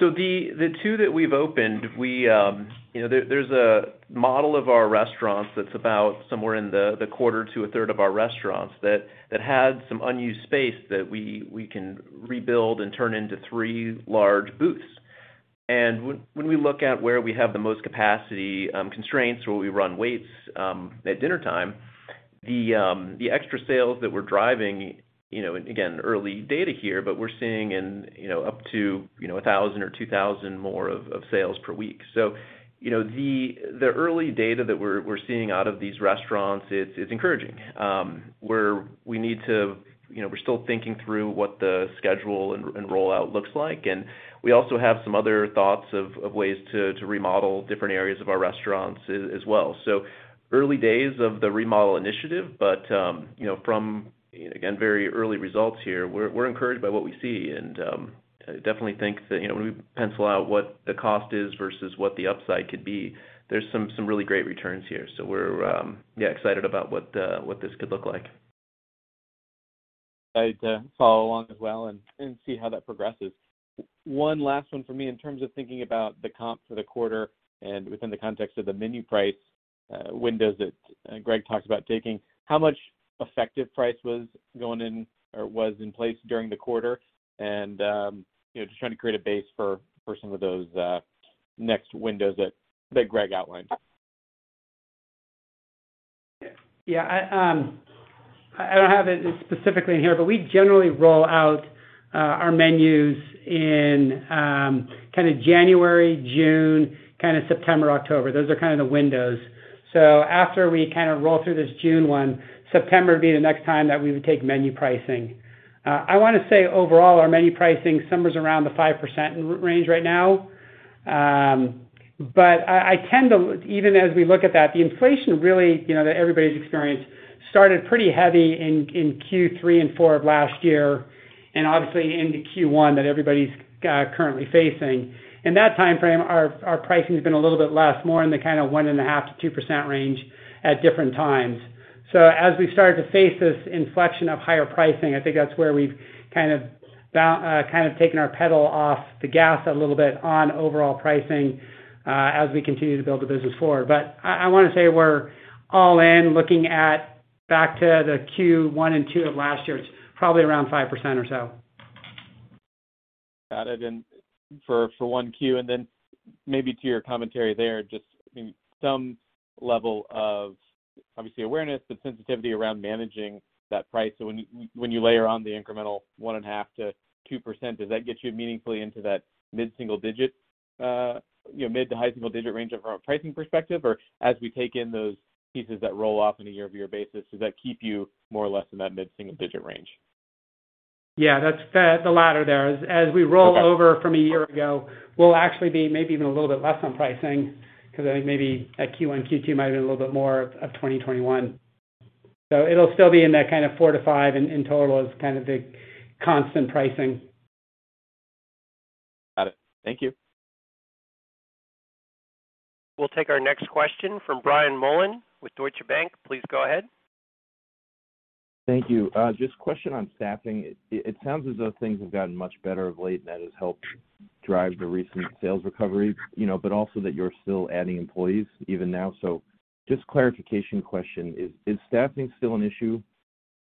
The two that we've opened, you know, there's a model of our restaurants that's about somewhere in the quarter to a third of our restaurants that had some unused space that we can rebuild and turn into three large booths. When we look at where we have the most capacity constraints, where we run waits at dinner time, the extra sales that we're driving, you know, again, early data here, but we're seeing up to $1,000 or $2,000 more in sales per week. You know, the early data that we're seeing out of these restaurants, it's encouraging. You know, we're still thinking through what the schedule and rollout looks like. We also have some other thoughts of ways to remodel different areas of our restaurants as well. Early days of the remodel initiative, but you know from again very early results here, we're encouraged by what we see. Definitely think that you know when we pencil out what the cost is versus what the upside could be, there's some really great returns here. We're yeah excited about what this could look like. I'd follow along as well and see how that progresses. One last one for me. In terms of thinking about the comp for the quarter and within the context of the menu price windows that Greg talked about taking, how much effective price was going in or was in place during the quarter? You know, just trying to create a base for some of those next windows that Greg outlined. Yeah. I don't have it specifically in here, but we generally roll out our menus in kinda January, June, kinda September, October. Those are kinda the windows. After we kind of roll through this June one, September would be the next time that we would take menu pricing. I wanna say overall, our menu pricing hovers around the 5% range right now. But I tend to even as we look at that, the inflation really, you know, that everybody's experienced started pretty heavy in Q3 and Q4 of last year and obviously into Q1 that everybody's currently facing. In that timeframe, our pricing's been a little bit less, more in the kinda 1.5%-2% range at different times. As we've started to face this inflection of higher pricing, I think that's where we've kind of taken our pedal off the gas a little bit on overall pricing, as we continue to build the business forward. I wanna say we're all in, looking back to the Q1 and Q2 of last year. It's probably around 5% or so. Got it. For one Q, then maybe to your commentary there, I mean, some level of obviously awareness, but sensitivity around managing that price. When you layer on the incremental 1.5%-2%, does that get you meaningfully into that mid-single-digit, you know, mid to high single-digit range from a pricing perspective? Or as we take in those pieces that roll off on a year-over-year basis, does that keep you more or less in that mid-single-digit range? Yeah. That's the latter there. As we roll over from a year ago, we'll actually be maybe even a little bit less on pricing because I think maybe at Q1, Q2 might have been a little bit more of 2021. It'll still be in that kind of 4%-5% in total is kind of the constant pricing. Got it. Thank you. We'll take our next question from Brian Mullan with Deutsche Bank. Please go ahead. Thank you. Just a question on staffing. It sounds as though things have gotten much better of late, and that has helped drive the recent sales recovery, you know, but also that you're still adding employees even now. Just clarification question, is staffing still an issue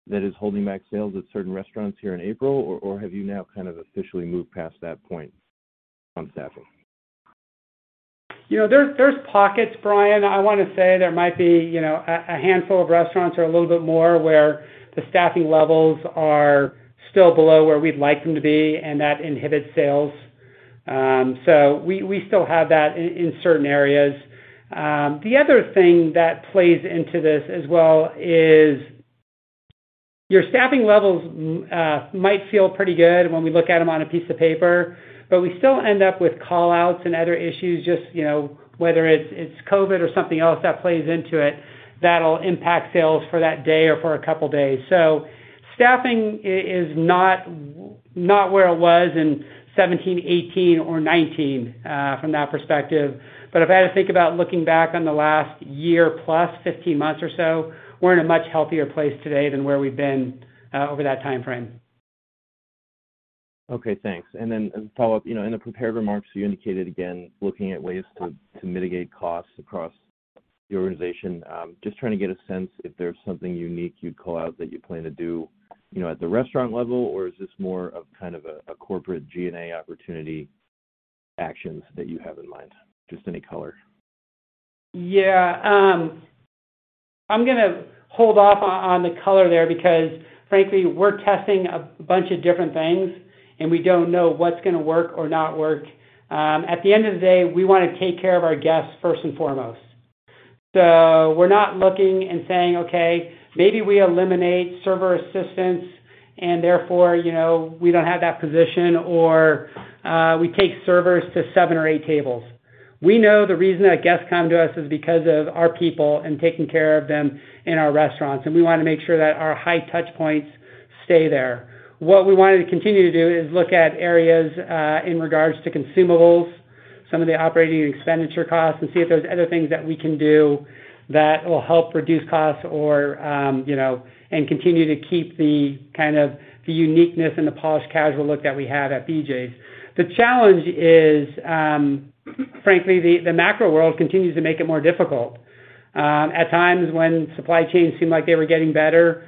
that is holding back sales at certain restaurants here in April? Or have you now kind of officially moved past that point on staffing? You know, there's pockets, Brian. I wanna say there might be, you know, a handful of restaurants or a little bit more where the staffing levels are still below where we'd like them to be, and that inhibits sales. We still have that in certain areas. The other thing that plays into this as well is your staffing levels might feel pretty good when we look at them on a piece of paper, but we still end up with call-outs and other issues, just you know whether it's COVID or something else that plays into it, that'll impact sales for that day or for a couple days. Staffing is not where it was in 2017, 2018, or 2019 from that perspective. If I had to think about looking back on the last year, plus 15 months or so, we're in a much healthier place today than where we've been over that timeframe. Okay, thanks. A follow-up. You know, in the prepared remarks, you indicated again looking at ways to mitigate costs across the organization. Just trying to get a sense if there's something unique you'd call out that you plan to do, you know, at the restaurant level, or is this more of kind of a corporate G&A opportunity actions that you have in mind? Just any color. Yeah. I'm gonna hold off on the color there because frankly, we're testing a bunch of different things, and we don't know what's gonna work or not work. At the end of the day, we wanna take care of our guests first and foremost. We're not looking and saying, "Okay, maybe we eliminate server assistance, and therefore, you know, we don't have that position, or, we take servers to seven or eight tables." We know the reason that guests come to us is because of our people and taking care of them in our restaurants, and we wanna make sure that our high touchpoints stay there. What we wanted to continue to do is look at areas, in regards to consumables, some of the operating and expenditure costs, and see if there's other things that we can do that will help reduce costs or, you know, and continue to keep the kind of the uniqueness and the polished casual look that we have at BJ's. The challenge is, frankly, the macro world continues to make it more difficult. At times when supply chains seemed like they were getting better,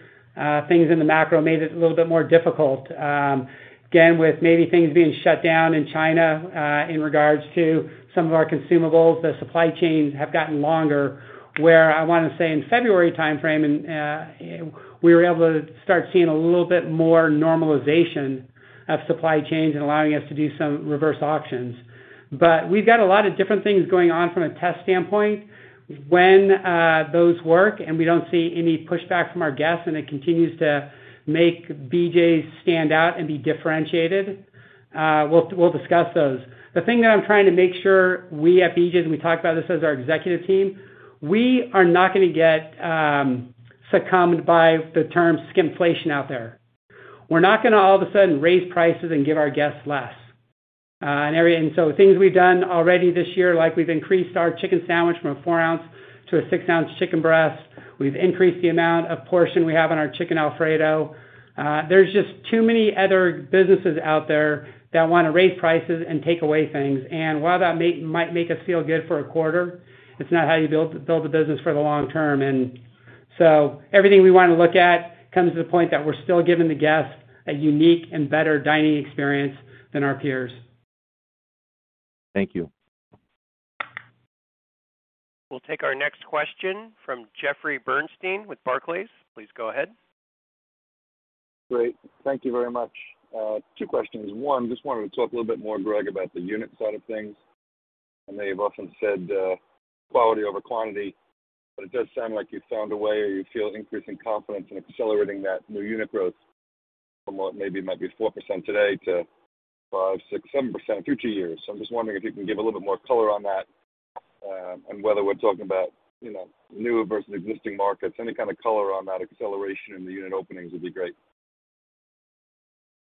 things in the macro made it a little bit more difficult. Again, with maybe things being shut down in China, in regards to some of our consumables, the supply chains have gotten longer, where I wanna say in February timeframe and we were able to start seeing a little bit more normalization of supply chains and allowing us to do some reverse auctions. But we've got a lot of different things going on from a test standpoint. When those work and we don't see any pushback from our guests, and it continues to make BJ's stand out and be differentiated, we'll discuss those. The thing that I'm trying to make sure we at BJ's, and we talked about this as our executive team, we are not gonna get succumbed by the term skimpflation out there. We're not gonna all of a sudden raise prices and give our guests less. Things we've done already this year, like we've increased our chicken sandwich from a 4 ounce to a 6 ounce chicken breast. We've increased the amount of portion we have on our chicken Alfredo. There's just too many other businesses out there that wanna raise prices and take away things. While that might make us feel good for a quarter, it's not how you build a business for the long term. Everything we wanna look at comes to the point that we're still giving the guests a unique and better dining experience than our peers. Thank you. We'll take our next question from Jeffrey Bernstein with Barclays. Please go ahead. Great. Thank you very much. Two questions. One, just wanted to talk a little bit more, Greg, about the unit side of things. I know you've often said, quality over quantity, but it does sound like you found a way or you feel increasing confidence in accelerating that new unit growth from what maybe might be 4% today to 5%, 6%, 7% in future years. I'm just wondering if you can give a little bit more color on that, and whether we're talking about, you know, newer versus existing markets. Any kind of color on that acceleration in the unit openings would be great.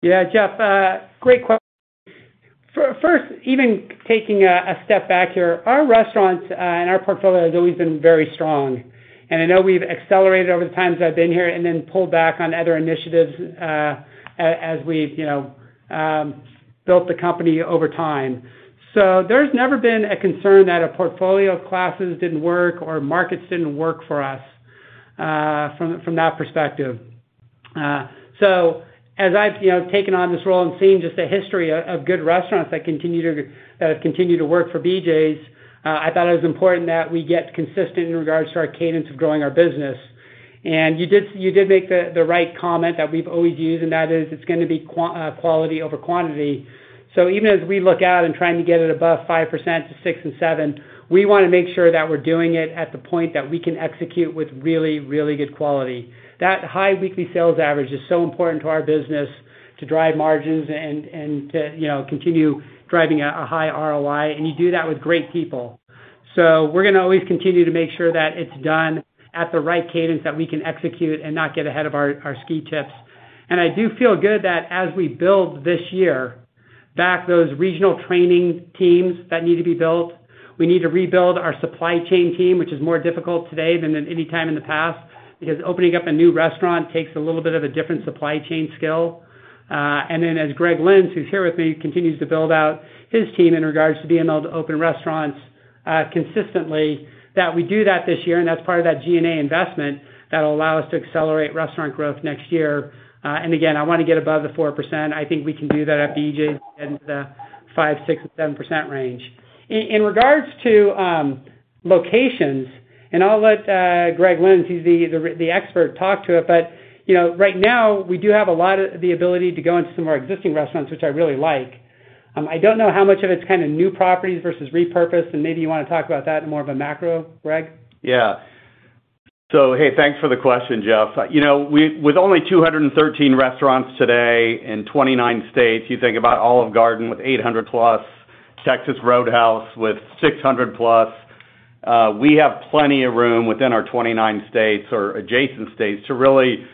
Yeah, Jeffrey, great question. First, even taking a step back here, our restaurants and our portfolio has always been very strong. I know we've accelerated over the times I've been here and then pulled back on other initiatives, as we've, you know, built the company over time. There's never been a concern that a portfolio of classes didn't work or markets didn't work for us, from that perspective. As I've, you know, taken on this role and seen just the history of good restaurants that have continued to work for BJ's, I thought it was important that we get consistent in regards to our cadence of growing our business. You did make the right comment that we've always used, and that is it's gonna be quality over quantity. Even as we look out and trying to get it above 5% to 6% and 7%, we wanna make sure that we're doing it at the point that we can execute with really, really good quality. That high weekly sales average is so important to our business to drive margins and to, you know, continue driving a high ROI, and you do that with great people. We're gonna always continue to make sure that it's done at the right cadence that we can execute and not get ahead of our ski tips. I do feel good that as we build this year, back those regional training teams that need to be built, we need to rebuild our supply chain team, which is more difficult today than any time in the past, because opening up a new restaurant takes a little bit of a different supply chain skill. And then as Greg Lynds, who's here with me, continues to build out his team in regards to being able to open restaurants consistently, that we do that this year, and that's part of that G&A investment that'll allow us to accelerate restaurant growth next year. And again, I wanna get above the 4%. I think we can do that at BJ's in the 5%, 6%, 7% range. In regards to locations, and I'll let Greg Lynds, who's the expert talk to it, but you know, right now, we do have a lot of the ability to go into some of our existing restaurants, which I really like. I don't know how much of it's kinda new properties versus repurposed, and maybe you wanna talk about that in more of a macro, Greg? Hey, thanks for the question, Jeff. You know, with only 213 restaurants today in 29 states, you think about Olive Garden with 800+, Texas Roadhouse with 600+, we have plenty of room within our 29 states or adjacent states to really,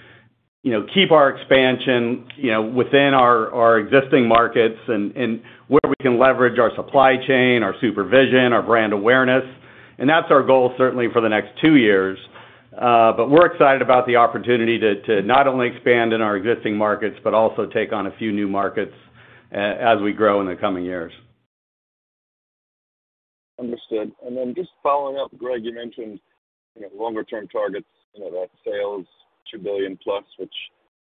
you know, keep our expansion, you know, within our existing markets and where we can leverage our supply chain, our supervision, our brand awareness. That's our goal certainly for the next two years. We're excited about the opportunity to not only expand in our existing markets, but also take on a few new markets as we grow in the coming years. Understood. Then just following up, Greg, you mentioned, you know, longer term targets, you know, that sales $2 billion+, which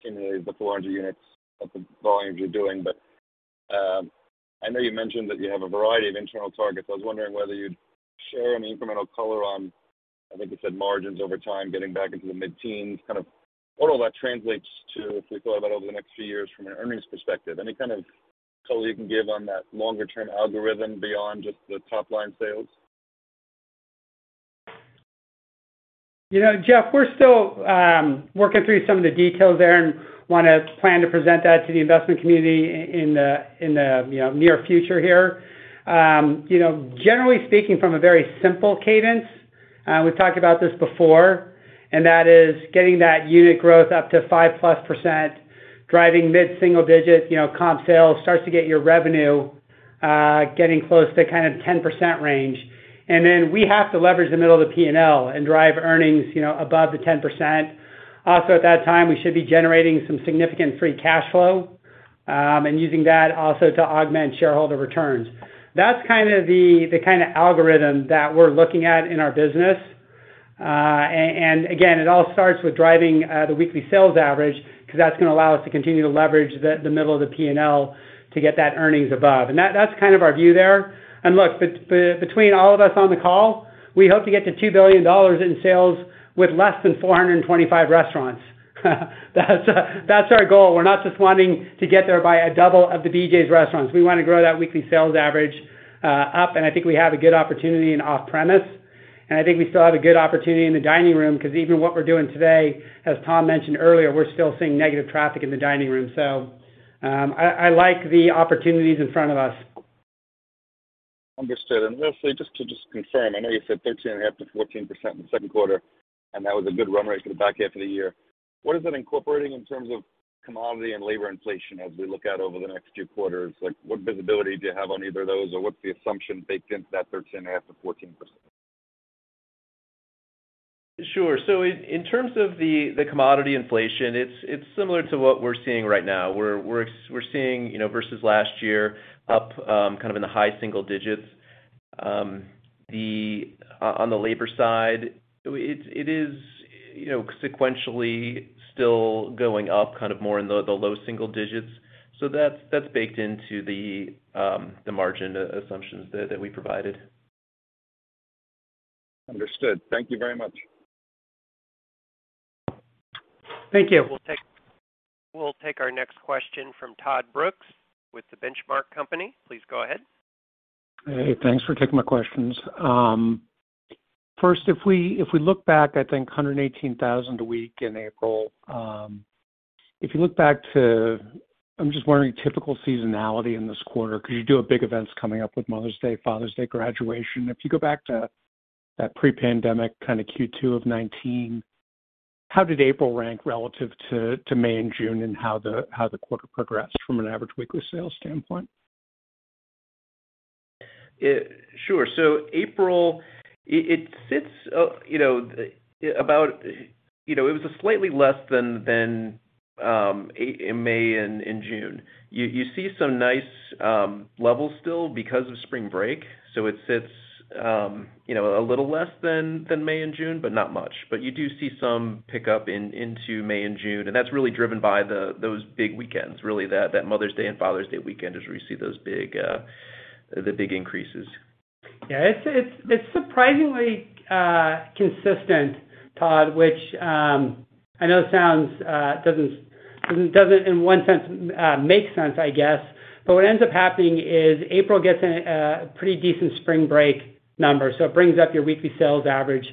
accumulates the 400 units at the volumes you're doing. I know you mentioned that you have a variety of internal targets. I was wondering whether you'd share any incremental color on, I think you said margins over time, getting back into the mid-teens% kind of what all that translates to if we thought about over the next few years from an earnings perspective. Any kind of color you can give on that longer-term algorithm beyond just the top-line sales? You know, Jeff, we're still working through some of the details there and wanna plan to present that to the investment community in the, you know, near future here. You know, generally speaking from a very simple cadence, we've talked about this before, and that is getting that unit growth up to 5+%, driving mid-single-digit, you know, comp sales starts to get your revenue getting close to kind of 10% range. We have to leverage the middle of the P&L and drive earnings, you know, above the 10%. Also, at that time, we should be generating some significant free cash flow and using that also to augment shareholder returns. That's kind of the kinda algorithm that we're looking at in our business. It all starts with driving the weekly sales average because that's gonna allow us to continue to leverage the middle of the P&L to get that earnings above. That's kind of our view there. Look, between all of us on the call, we hope to get to $2 billion in sales with less than 425 restaurants. That's our goal. We're not just wanting to get there by a double of the BJ's restaurants. We wanna grow that weekly sales average up, and I think we have a good opportunity in off-premise, and I think we still have a good opportunity in the dining room because even what we're doing today, as Tom mentioned earlier, we're still seeing negative traffic in the dining room. I like the opportunities in front of us. Understood. Lastly, just to confirm, I know you said 13.5%-14% in the Q2, and that was a good run rate for the back half of the year. What is it incorporating in terms of commodity and labor inflation as we look out over the next few quarters? Like, what visibility do you have on either of those, or what's the assumption baked into that 13.5%-14%? Sure. In terms of the commodity inflation, it's similar to what we're seeing right now. We're seeing, you know, versus last year up kind of in the high single digits percent. On the labor side, it is, you know, sequentially still going up kind of more in the low single digits percent. That's baked into the margin assumptions that we provided. Understood. Thank you very much. Thank you. We'll take our next question from Todd Brooks with The Benchmark Company. Please go ahead. Hey, thanks for taking my questions. First, if we look back, I think 118,000 a week in April. If you look back, I'm just wondering, typical seasonality in this quarter, because you do have big events coming up with Mother's Day, Father's Day, graduation. If you go back to that pre-pandemic, kind of Q2 of 2019, how did April rank relative to May and June, and how the quarter progressed from an average weekly sales standpoint? Sure. April, it sits, you know. You know, it was slightly less than May and June. You see some nice levels still because of spring break, so it sits, you know, a little less than May and June, but not much. You do see some pickup into May and June, and that's really driven by those big weekends, really, that Mother's Day and Father's Day weekend is where you see the big increases. Yeah. It's surprisingly consistent, Todd, which I know sounds doesn't in one sense make sense, I guess. What ends up happening is April gets a pretty decent spring break number, so it brings up your weekly sales average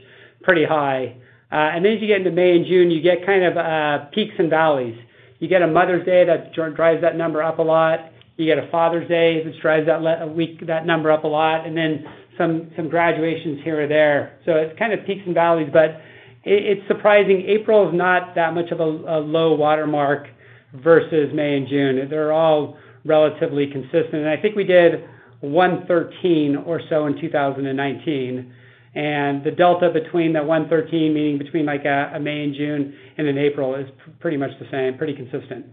pretty high. As you get into May and June, you get kind of peaks and valleys. You get a Mother's Day that drives that number up a lot. You get a Father's Day, which drives that number up a lot, and then some graduations here or there. It's kind of peaks and valleys, but it's surprising. April is not that much of a low watermark versus May and June. They're all relatively consistent. I think we did 113 or so in 2019, and the delta between the 113, meaning between like April, May, and June, is pretty much the same, pretty consistent.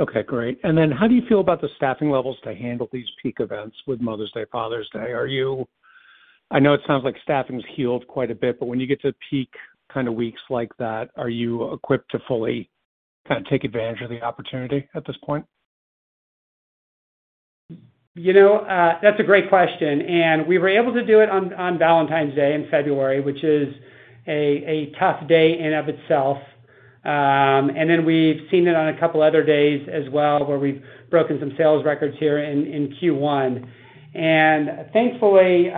Okay, great. How do you feel about the staffing levels to handle these peak events with Mother's Day, Father's Day? Are you? I know it sounds like staffing's healed quite a bit, but when you get to peak kind of weeks like that, are you equipped to fully kind of take advantage of the opportunity at this point? You know, that's a great question. We were able to do it on Valentine's Day in February, which is a tough day in and of itself. Then we've seen it on a couple other days as well, where we've broken some sales records here in Q1. Thankfully,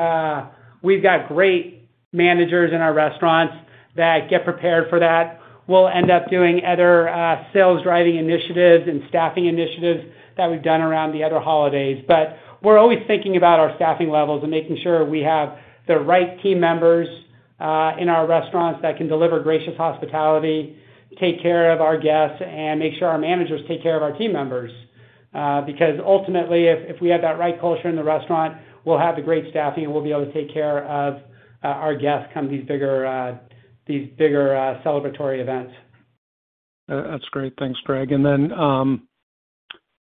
we've got great managers in our restaurants that get prepared for that. We'll end up doing other sales driving initiatives and staffing initiatives that we've done around the other holidays. We're always thinking about our staffing levels and making sure we have the right team members in our restaurants that can deliver gracious hospitality, take care of our guests, and make sure our managers take care of our team members. Because ultimately, if we have that right culture in the restaurant, we'll have the great staffing, and we'll be able to take care of our guests come these bigger celebratory events. That's great. Thanks, Greg.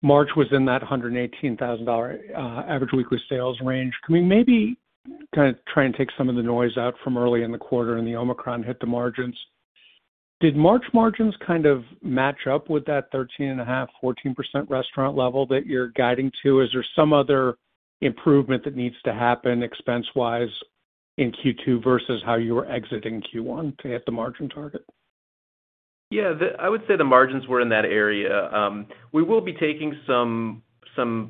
March was in that $118,000 average weekly sales range. Can we maybe kind of try and take some of the noise out from early in the quarter and the Omicron hit the margins? Did March margins kind of match up with that 13.5%-14% restaurant level that you're guiding to? Is there some other improvement that needs to happen expense-wise in Q2 versus how you were exiting Q1 to hit the margin target? Yeah, I would say the margins were in that area. We will be taking some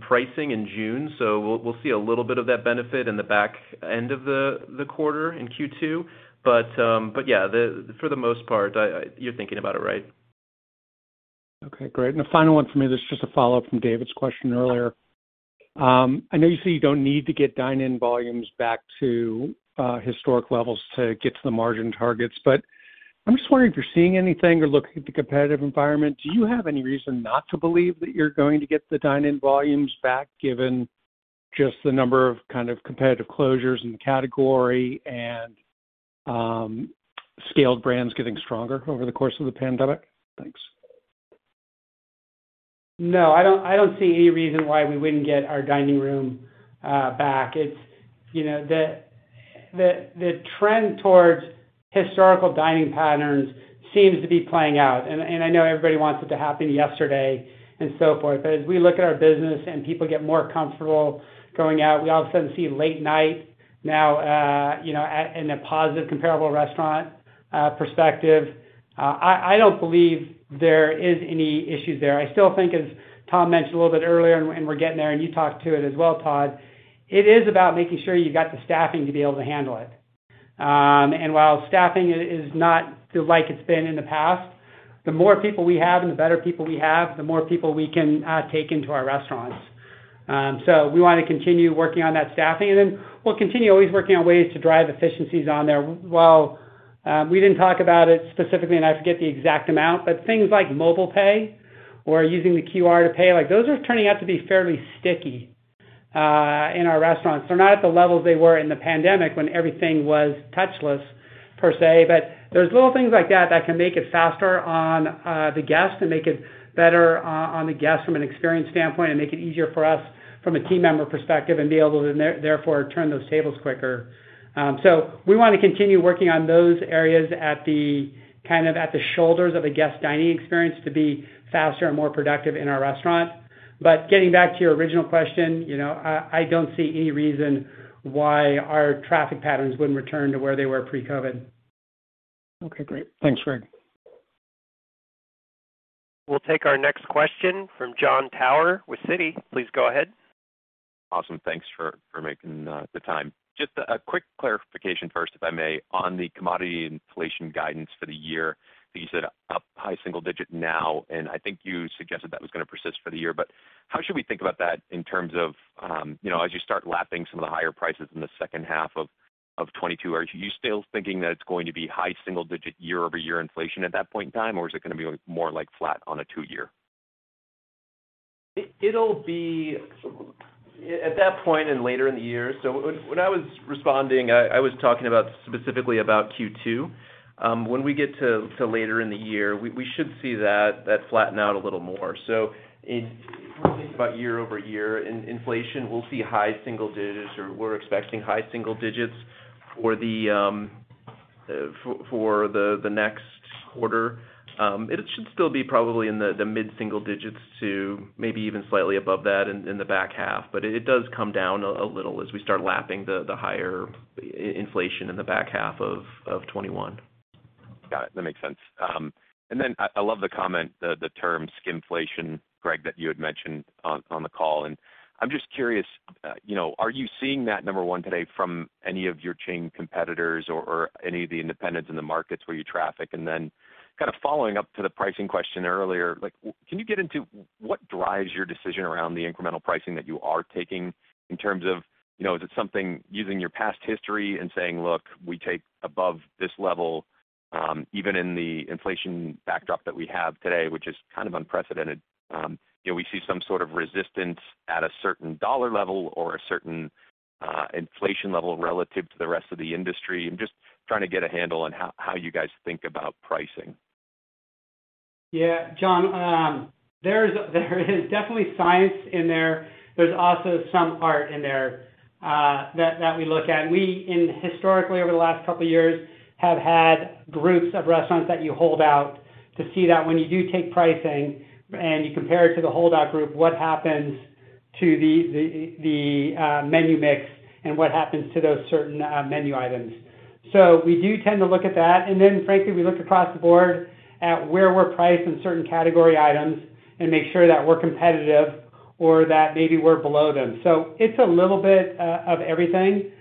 pricing in June, so we'll see a little bit of that benefit in the back end of the quarter in Q2. Yeah, for the most part, you're thinking about it right. Okay, great. The final one from me, this is just a follow-up from David's question earlier. I know you say you don't need to get dine-in volumes back to historic levels to get to the margin targets, but I'm just wondering if you're seeing anything or looking at the competitive environment, do you have any reason not to believe that you're going to get the dine-in volumes back, given just the number of kind of competitive closures in the category and scaled brands getting stronger over the course of the pandemic? Thanks. No, I don't see any reason why we wouldn't get our dining room back. It's the trend towards historical dining patterns seems to be playing out. I know everybody wants it to happen yesterday and so forth, but as we look at our business and people get more comfortable going out, we all of a sudden see late night now in a positive comparable restaurant perspective. I don't believe there is any issues there. I still think, as Tom mentioned a little bit earlier and we're getting there, and you talked to it as well, Todd, it is about making sure you've got the staffing to be able to handle it. While staffing is not feeling like it's been in the past, the more people we have and the better people we have, the more people we can take into our restaurants. We wanna continue working on that staffing. We'll continue always working on ways to drive efficiencies on there. While we didn't talk about it specifically, and I forget the exact amount, but things like mobile pay or using the QR to pay, like those are turning out to be fairly sticky in our restaurants. They're not at the levels they were in the pandemic when everything was touchless per se, but there's little things like that that can make it faster on the guest and make it better on the guest from an experience standpoint and make it easier for us from a team member perspective and be able to therefore turn those tables quicker. We wanna continue working on those areas at the kind of at the shoulders of a guest dining experience to be faster and more productive in our restaurant. Getting back to your original question, you know, I don't see any reason why our traffic patterns wouldn't return to where they were pre-COVID. Okay, great. Thanks, Greg. We'll take our next question from Jon Tower with Citi. Please go ahead. Awesome. Thanks for making the time. Just a quick clarification first, if I may, on the commodity inflation guidance for the year. I think you said up high single digit now, and I think you suggested that was gonna persist for the year. How should we think about that in terms of, you know, as you start lapping some of the higher prices in the second half of 2022? Are you still thinking that it's going to be high single digit year-over-year inflation at that point in time, or is it gonna be more like flat on a two year? It'll be at that point and later in the year. When I was responding, I was talking specifically about Q2. When we get to later in the year, we should see that flatten out a little more. When we think about year-over-year inflation, we'll see high single digits or we're expecting high single digits for the next quarter. It should still be probably in the mid-single digits to maybe even slightly above that in the back half. It does come down a little as we start lapping the higher inflation in the back half of 2021. Got it. That makes sense. I love the comment, the term skimpflation, Greg, that you had mentioned on the call. I'm just curious, you know, are you seeing that, number one, today from any of your chain competitors or any of the independents in the markets where you traffic? Kind of following up to the pricing question earlier, like can you get into what drives your decision around the incremental pricing that you are taking in terms of, you know, is it something using your past history and saying, "Look, we take above this level, even in the inflation backdrop that we have today, which is kind of unprecedented. You know, we see some sort of resistance at a certain dollar level or a certain inflation level relative to the rest of the industry. I'm just trying to get a handle on how you guys think about pricing. Yeah. Jon, there is definitely science in there. There is also some art in there that we look at. We have historically over the last couple of years had groups of restaurants that you hold out to see that when you do take pricing and you compare it to the holdout group, what happens to the menu mix and what happens to those certain menu items. We do tend to look at that. Frankly, we look across the board at where we're priced in certain category items and make sure that we're competitive or that maybe we're below them. It's a little bit of everything.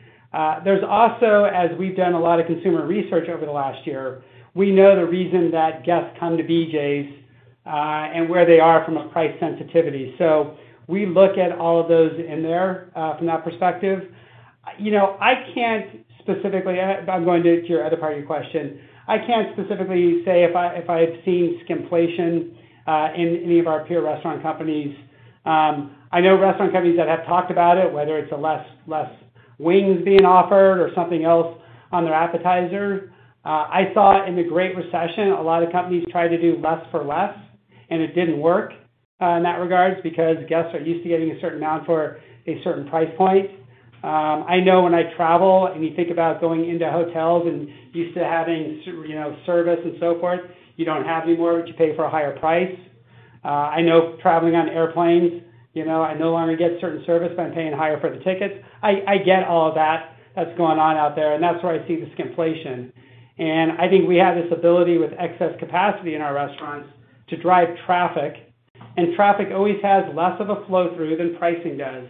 There's also, as we've done a lot of consumer research over the last year, we know the reason that guests come to BJ's, and where they are from a price sensitivity. We look at all of those in there, from that perspective. You know, I'm going to your other part of your question. I can't specifically say if I have seen skimpflation in any of our peer restaurant companies. I know restaurant companies that have talked about it, whether it's less wings being offered or something else on their appetizer. I saw it in the Great Recession. A lot of companies tried to do less for less. It didn't work in that regard because guests are used to getting a certain amount for a certain price point. I know when I travel and you think about going into hotels and used to having you know, service and so forth, you don't have anymore, but you pay for a higher price. I know traveling on airplanes, you know, I no longer get certain service, but I'm paying higher for the tickets. I get all of that that's going on out there, and that's where I see the skimpflation. I think we have this ability with excess capacity in our restaurants to drive traffic. Traffic always has less of a flow through than pricing does.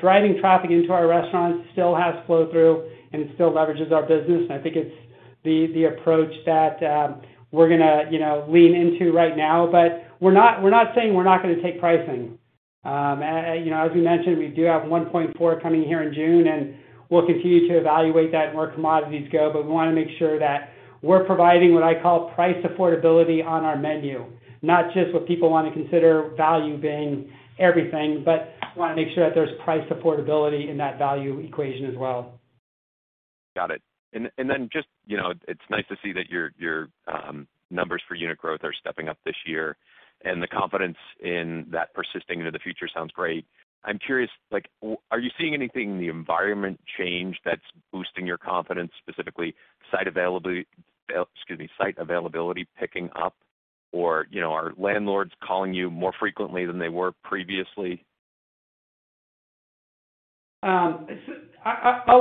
Driving traffic into our restaurants still has flow through and still leverages our business, and I think it's the approach that we're gonna you know, lean into right now. We're not saying we're not gonna take pricing. As we mentioned, we do have 1.4% coming here in June, and we'll continue to evaluate that and where commodities go. We wanna make sure that we're providing what I call price affordability on our menu, not just what people wanna consider value being everything, but wanna make sure that there's price affordability in that value equation as well. Got it. Then just, you know, it's nice to see that your numbers for unit growth are stepping up this year, and the confidence in that persisting into the future sounds great. I'm curious, like, are you seeing anything in the environment change that's boosting your confidence, specifically site availability picking up or, you know, are landlords calling you more frequently than they were previously? I'll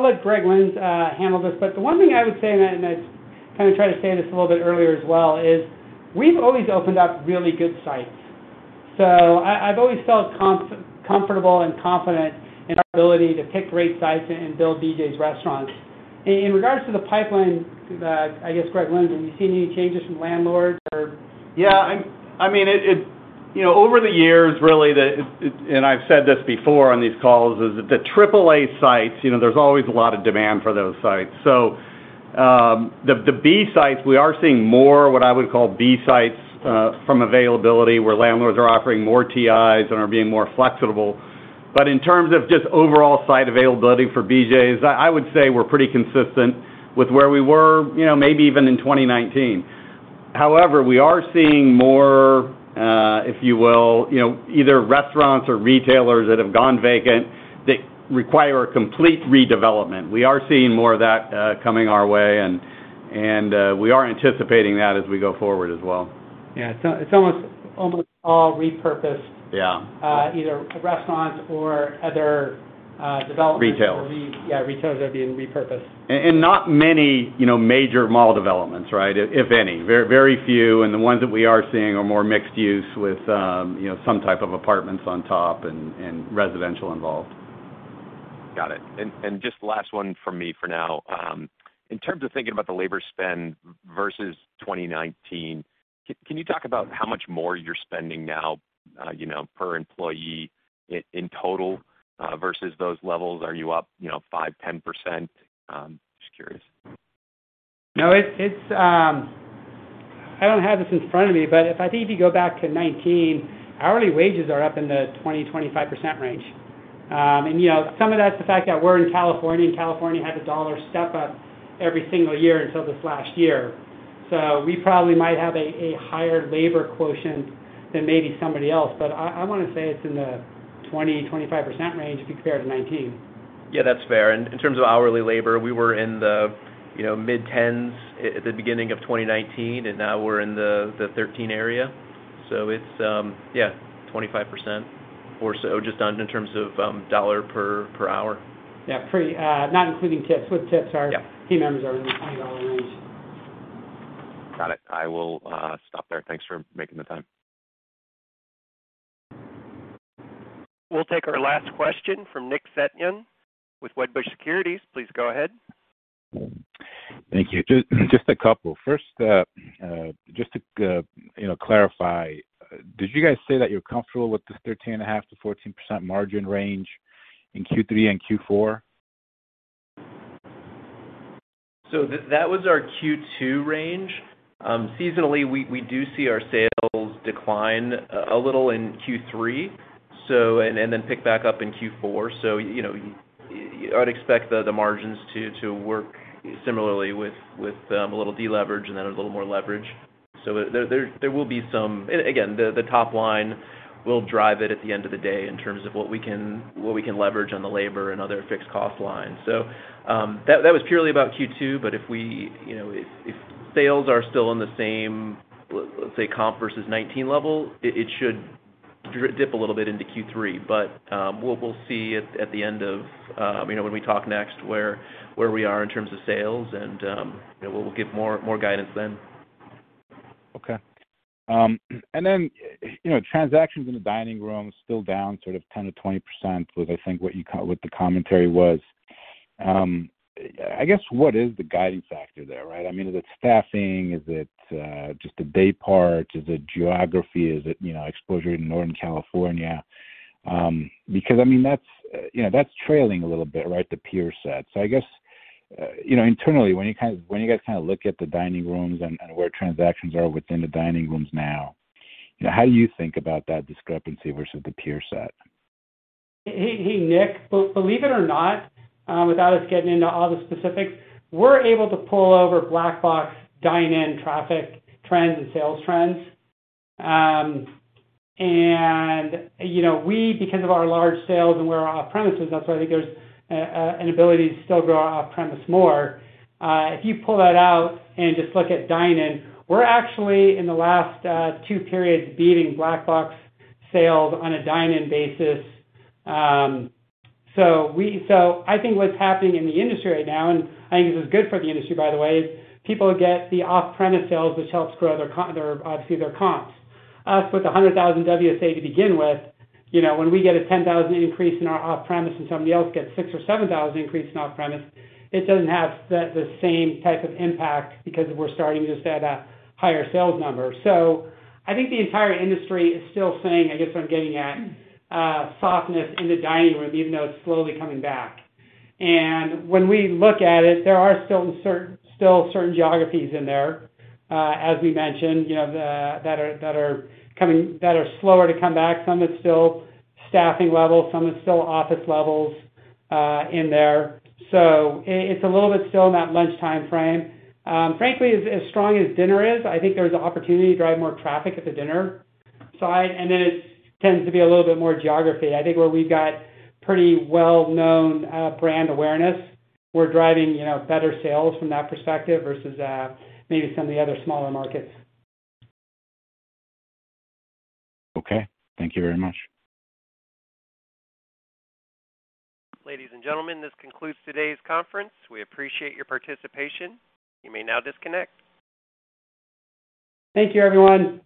let Greg Lynds handle this, but the one thing I would say, and I kinda tried to say this a little bit earlier as well, is we've always opened up really good sites. I've always felt comfortable and confident in our ability to pick great sites and build BJ's Restaurants. In regards to the pipeline, I guess, Greg Lynds, have you seen any changes from landlords or? Yeah, I mean, you know, over the years, really, and I've said this before on these calls, is the AAA sites. You know, there's always a lot of demand for those sites. The B sites, we are seeing more what I would call B sites from availability where landlords are offering more TIs and are being more flexible. In terms of just overall site availability for BJ's, I would say we're pretty consistent with where we were, you know, maybe even in 2019. However, we are seeing more, if you will, you know, either restaurants or retailers that have gone vacant that require a complete redevelopment. We are seeing more of that coming our way, and we are anticipating that as we go forward as well. Yeah. It's almost all repurposed- Yeah -either restaurants or other developments Retailers Yeah, retailers that are being repurposed. Not many, you know, major mall developments, right? If any. Very few, and the ones that we are seeing are more mixed use with, you know, some type of apartments on top and residential involved. Got it. Just last one from me for now. In terms of thinking about the labor spend versus 2019, can you talk about how much more you're spending now, you know, per employee in total, versus those levels? Are you up, you know, 5%-10%? Just curious. No, I don't have this in front of me, but I think if you go back to 2019, hourly wages are up in the 20%-25% range. You know, some of that's the fact that we're in California, and California has a dollar step up every single year until this last year. We probably might have a higher labor quotient than maybe somebody else. I wanna say it's in the 20%-25% range if you compare to 2019. Yeah, that's fair. In terms of hourly labor, we were in the mid-teens, you know, at the beginning of 2019, and now we're in the 18 area. It's, yeah, 25% or so just on in terms of dollar per hour. Yeah, not including tips. With tips. Yeah -our team members are in the $20 range. Got it. I will stop there. Thanks for making the time. We'll take our last question from Nick Setyan with Wedbush Securities. Please go ahead. Thank you. Just a couple. First, just to, you know, clarify, did you guys say that you're comfortable with the 13.5%-14% margin range in Q3 and Q4? That was our Q2 range. Seasonally, we do see our sales decline a little in Q3, then pick back up in Q4. You know, I'd expect the margins to work similarly with a little deleverage and then a little more leverage. There will be some. Again, the top line will drive it at the end of the day in terms of what we can leverage on the labor and other fixed cost lines. That was purely about Q2, but if we, you know, if sales are still in the same, let's say, comp versus 2019 level, it should dip a little bit into Q3. We'll see at the end of, you know, when we talk next, where we are in terms of sales, and, you know, we'll give more guidance then. Okay. Then, you know, transactions in the dining room still down sort of 10%-20% was, I think, what the commentary was. I guess, what is the guiding factor there, right? I mean, is it staffing? Is it just the day part? Is it geography? Is it, you know, exposure in Northern California? Because I mean, that's, you know, that's trailing a little bit, right, the peer set. I guess, you know, internally, when you guys kinda look at the dining rooms and where transactions are within the dining rooms now, you know, how do you think about that discrepancy versus the peer set? Hey, Nick. Believe it or not, without us getting into all the specifics, we're able to pull over Black Box dine-in traffic trends and sales trends. You know, because of our large sales and we're off-premises, that's why I think there's an ability to still grow off-premise more. If you pull that out and just look at dine-in, we're actually in the last two periods beating Black Box sales on a dine-in basis. I think what's happening in the industry right now, and I think this is good for the industry, by the way, people get the off-premise sales, which helps grow their or obviously their comps. Us with 100,000 WSA to begin with, when we get a 10,000 increase in our off-premise and somebody else gets 6,000 or 7,000 increase in off-premise, it doesn't have the same type of impact because we're starting just at a higher sales number. I think the entire industry is still seeing, I guess, what I'm getting at, softness in the dining room, even though it's slowly coming back. When we look at it, there are still certain geographies in there, as we mentioned, you know, that are slower to come back. Some it's still staffing levels, some it's still office levels in there. It's a little bit still in that lunch timeframe. Frankly, as strong as dinner is, I think there's an opportunity to drive more traffic at the dinner side, and then it tends to be a little bit more geography. I think where we've got pretty well-known brand awareness, we're driving, you know, better sales from that perspective versus maybe some of the other smaller markets. Okay. Thank you very much. Ladies and gentlemen, this concludes today's conference. We appreciate your participation. You may now disconnect. Thank you, everyone.